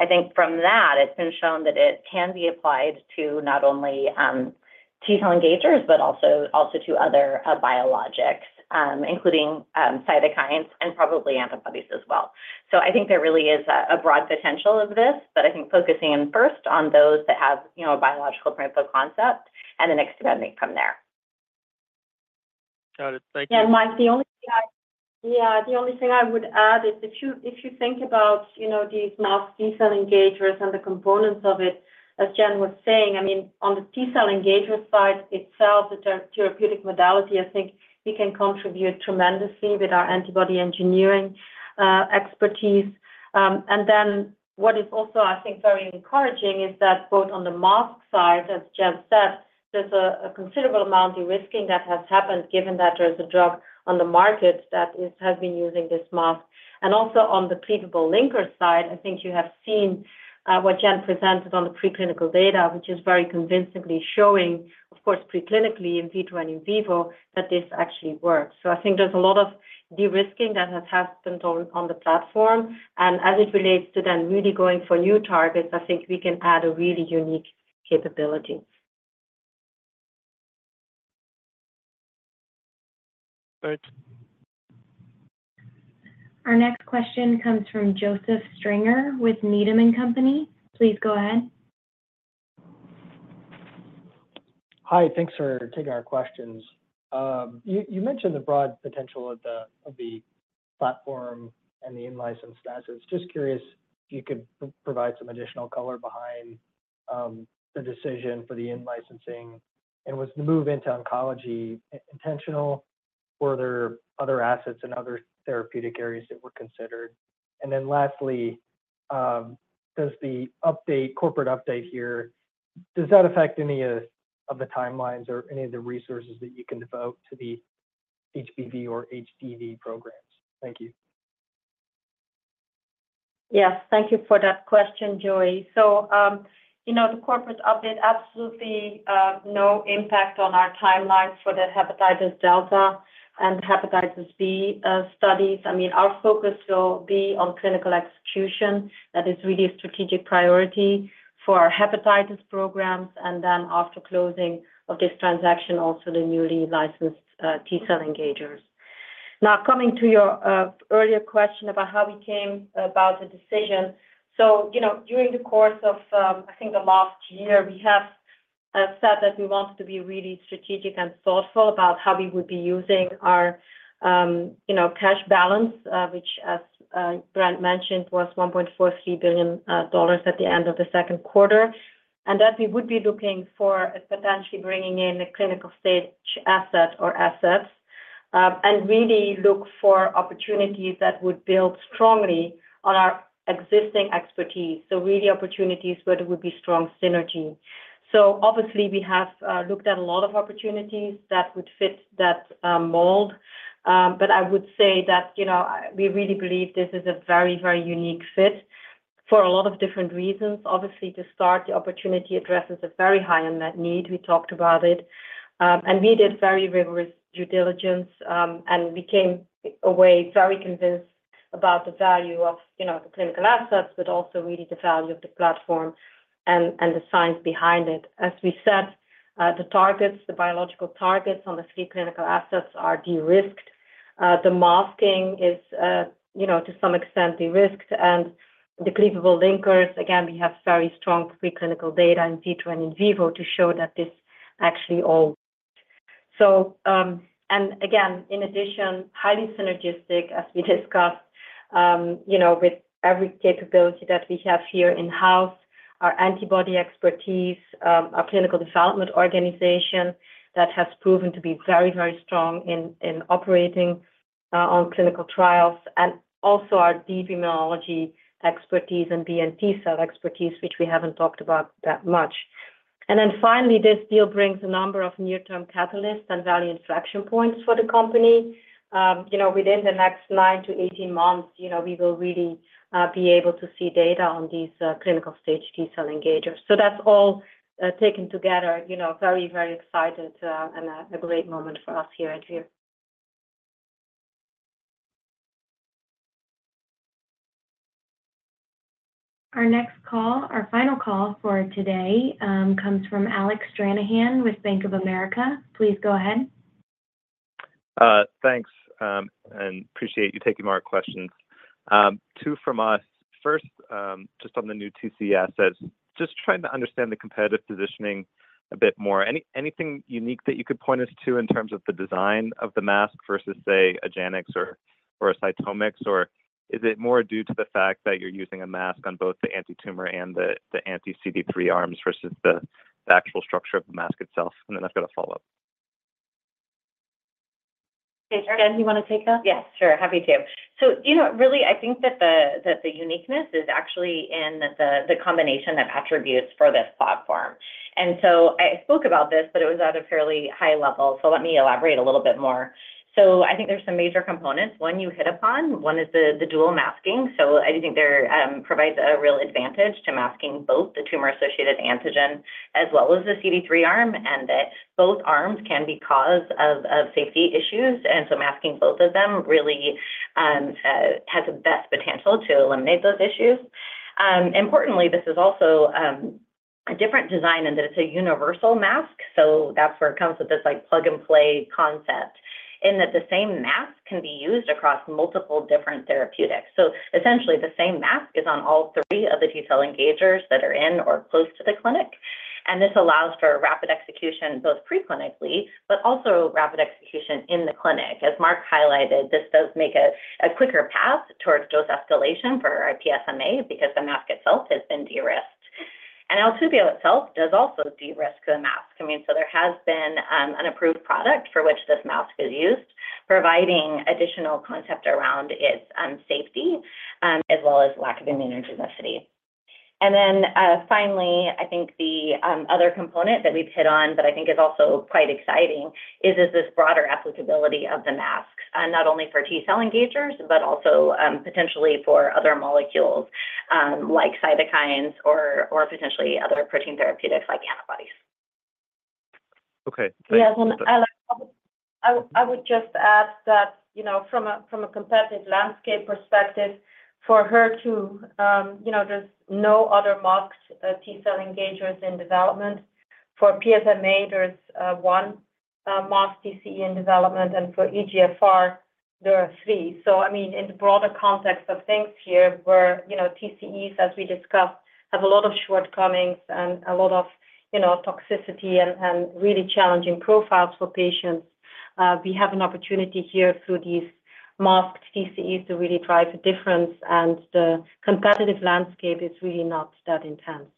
I think from that, it's been shown that it can be applied to not only, T-cell engagers, but also, also to other, biologics, including, cytokines and probably antibodies as well. So I think there really is a, a broad potential of this, but I think focusing in first on those that have, you know, a biological proof of concept, and then expanding from there. Got it. Thank you. Yeah, Mike, the only thing I would add is if you think about, you know, these masked T-cell engagers and the components of it, as Jen was saying, I mean, on the T-cell engager side itself, the therapeutic modality, I think we can contribute tremendously with our antibody engineering expertise. And then what is also, I think, very encouraging is that both on the mask side, as Jen said, there's a considerable amount de-risking that has happened, given that there's a drug on the market that has been using this mask. And also on the cleavable linker side, I think you have seen what Jen presented on the preclinical data, which is very convincingly showing, of course, preclinically, in vitro and in vivo, that this actually works. So I think there's a lot of de-risking that has happened on, on the platform. And as it relates to then really going for new targets, I think we can add a really unique capability. Thanks. Our next question comes from Joseph Stringer with Needham & Company. Please go ahead. Hi, thanks for taking our questions. You mentioned the broad potential of the platform and the in-license assets. Just curious if you could provide some additional color behind the decision for the in-licensing, and was the move into oncology intentional? Were there other assets in other therapeutic areas that were considered? And then lastly, does the corporate update here affect any of the timelines or any of the resources that you can devote to the HBV or HCV programs? Thank you. Yes, thank you for that question, Joey. So, you know, the corporate update, absolutely, no impact on our timelines for the hepatitis delta and hepatitis B studies. I mean, our focus will be on clinical execution. That is really a strategic priority for our hepatitis programs, and then after closing of this transaction, also the newly licensed T-cell engagers. Now, coming to your earlier question about how we came about the decision. So, you know, during the course of, I think the last year, we have said that we wanted to be really strategic and thoughtful about how we would be using our, you know, cash balance, which, as Brent mentioned, was $1.43 billion at the end of the second quarter. That we would be looking for potentially bringing in a clinical-stage asset or assets, and really look for opportunities that would build strongly on our existing expertise, so really opportunities where there would be strong synergy. So obviously, we have looked at a lot of opportunities that would fit that mold. But I would say that, you know, we really believe this is a very, very unique fit for a lot of different reasons. Obviously, to start, the opportunity addresses a very high unmet need. We talked about it, and we did very rigorous due diligence, and we came away very convinced about the value of, you know, the clinical assets, but also really the value of the platform and the science behind it. As we said, the targets, the biological targets on the three clinical assets are de-risked.... The masking is, you know, to some extent, de-risked. And the cleavable linkers, again, we have very strong preclinical data in vitro and in vivo to show that this actually all. So, and again, in addition, highly synergistic, as we discussed, you know, with every capability that we have here in-house, our antibody expertise, our clinical development organization, that has proven to be very, very strong in operating on clinical trials, and also our deep immunology expertise and B- and T-cell expertise, which we haven't talked about that much. And then finally, this deal brings a number of near-term catalysts and value inflection points for the company. You know, within the next 9-18 months, you know, we will really be able to see data on these clinical-stage T-cell engagers. So that's all taken together, you know, very, very excited, and a great moment for us here at Vir. Our next call, our final call for today, comes from Alec Stranahan with Bank of America. Please go ahead. Thanks, and appreciate you taking more questions. Two from us. First, just on the new TCE assets, just trying to understand the competitive positioning a bit more. Anything unique that you could point us to in terms of the design of the mask versus, say, a Janux or, or a CytomX? Or is it more due to the fact that you're using a mask on both the anti-tumor and the anti-CD3 arms versus the actual structure of the mask itself? And then I've got a follow-up. Jen, you want to take that? Yes, sure. Happy to. So, you know, really, I think that the uniqueness is actually in the combination of attributes for this platform. And so I spoke about this, but it was at a fairly high level, so let me elaborate a little bit more. So I think there's some major components, one you hit upon, one is the dual masking. So I think there provides a real advantage to masking both the tumor-associated antigen as well as the CD3 arm, and that both arms can be cause of safety issues, and so masking both of them really has the best potential to eliminate those issues. Importantly, this is also a different design in that it's a universal mask, so that's where it comes with this, like, plug-and-play concept, in that the same mask can be used across multiple different therapeutics. So essentially, the same mask is on all three of the T cell engagers that are in or close to the clinic, and this allows for rapid execution, both preclinically, but also rapid execution in the clinic. As Mark highlighted, this does make a quicker path towards dose escalation for PSMA because the mask itself has been de-risked. And Altuvio itself does also de-risk the mask. I mean, so there has been an approved product for which this mask is used, providing additional concept around its safety, as well as lack of immunogenicity. And then, finally, I think the other component that we've hit on, but I think is also quite exciting, is this broader applicability of the mask, not only for T cell engagers, but also potentially for other molecules, like cytokines or potentially other protein therapeutics like antibodies. Okay. Yes, and Alex, I would just add that, you know, from a competitive landscape perspective, for HER2, you know, there's no other masked T cell engagers in development. For PSMA, there's one masked TCE in development, and for EGFR, there are three. So I mean, in the broader context of things here, where, you know, TCEs, as we discussed, have a lot of shortcomings and a lot of, you know, toxicity and really challenging profiles for patients, we have an opportunity here through these masked TCEs to really drive a difference, and the competitive landscape is really not that intense.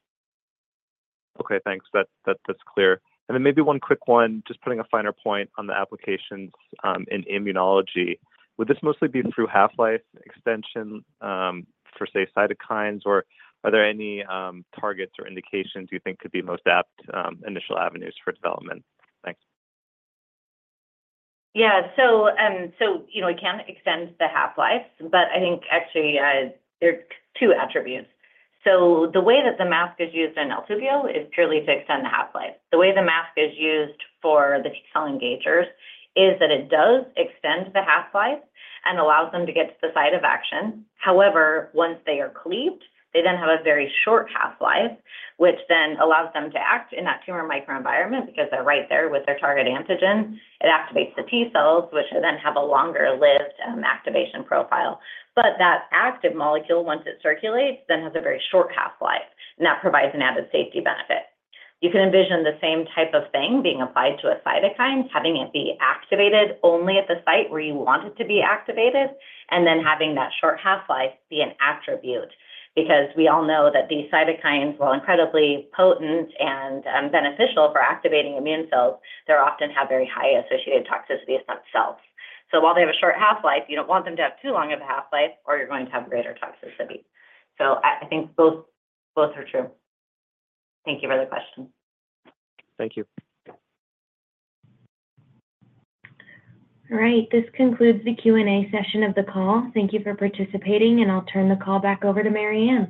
Okay, thanks. That's clear. And then maybe one quick one, just putting a finer point on the applications in immunology. Would this mostly be through half-life extension for, say, cytokines? Or are there any targets or indications you think could be most apt initial avenues for development? Thanks. Yeah. So, you know, it can extend the half-life, but I think actually, there are two attributes. So the way that the mask is used in ALTUVIO is purely to extend the half-life. The way the mask is used for the T cell engagers is that it does extend the half-life and allows them to get to the site of action. However, once they are cleaved, they then have a very short half-life, which then allows them to act in that tumor microenvironment because they're right there with their target antigen. It activates the T cells, which then have a longer-lived, activation profile. But that active molecule, once it circulates, then has a very short half-life, and that provides an added safety benefit. You can envision the same type of thing being applied to a cytokine, having it be activated only at the site where you want it to be activated, and then having that short half-life be an attribute. Because we all know that these cytokines, while incredibly potent and beneficial for activating immune cells, they often have very high associated toxicity itself. So while they have a short half-life, you don't want them to have too long of a half-life, or you're going to have greater toxicity. So I think both are true. Thank you for the question. Thank you. All right, this concludes the Q&A session of the call. Thank you for participating, and I'll turn the call back over to Marianne.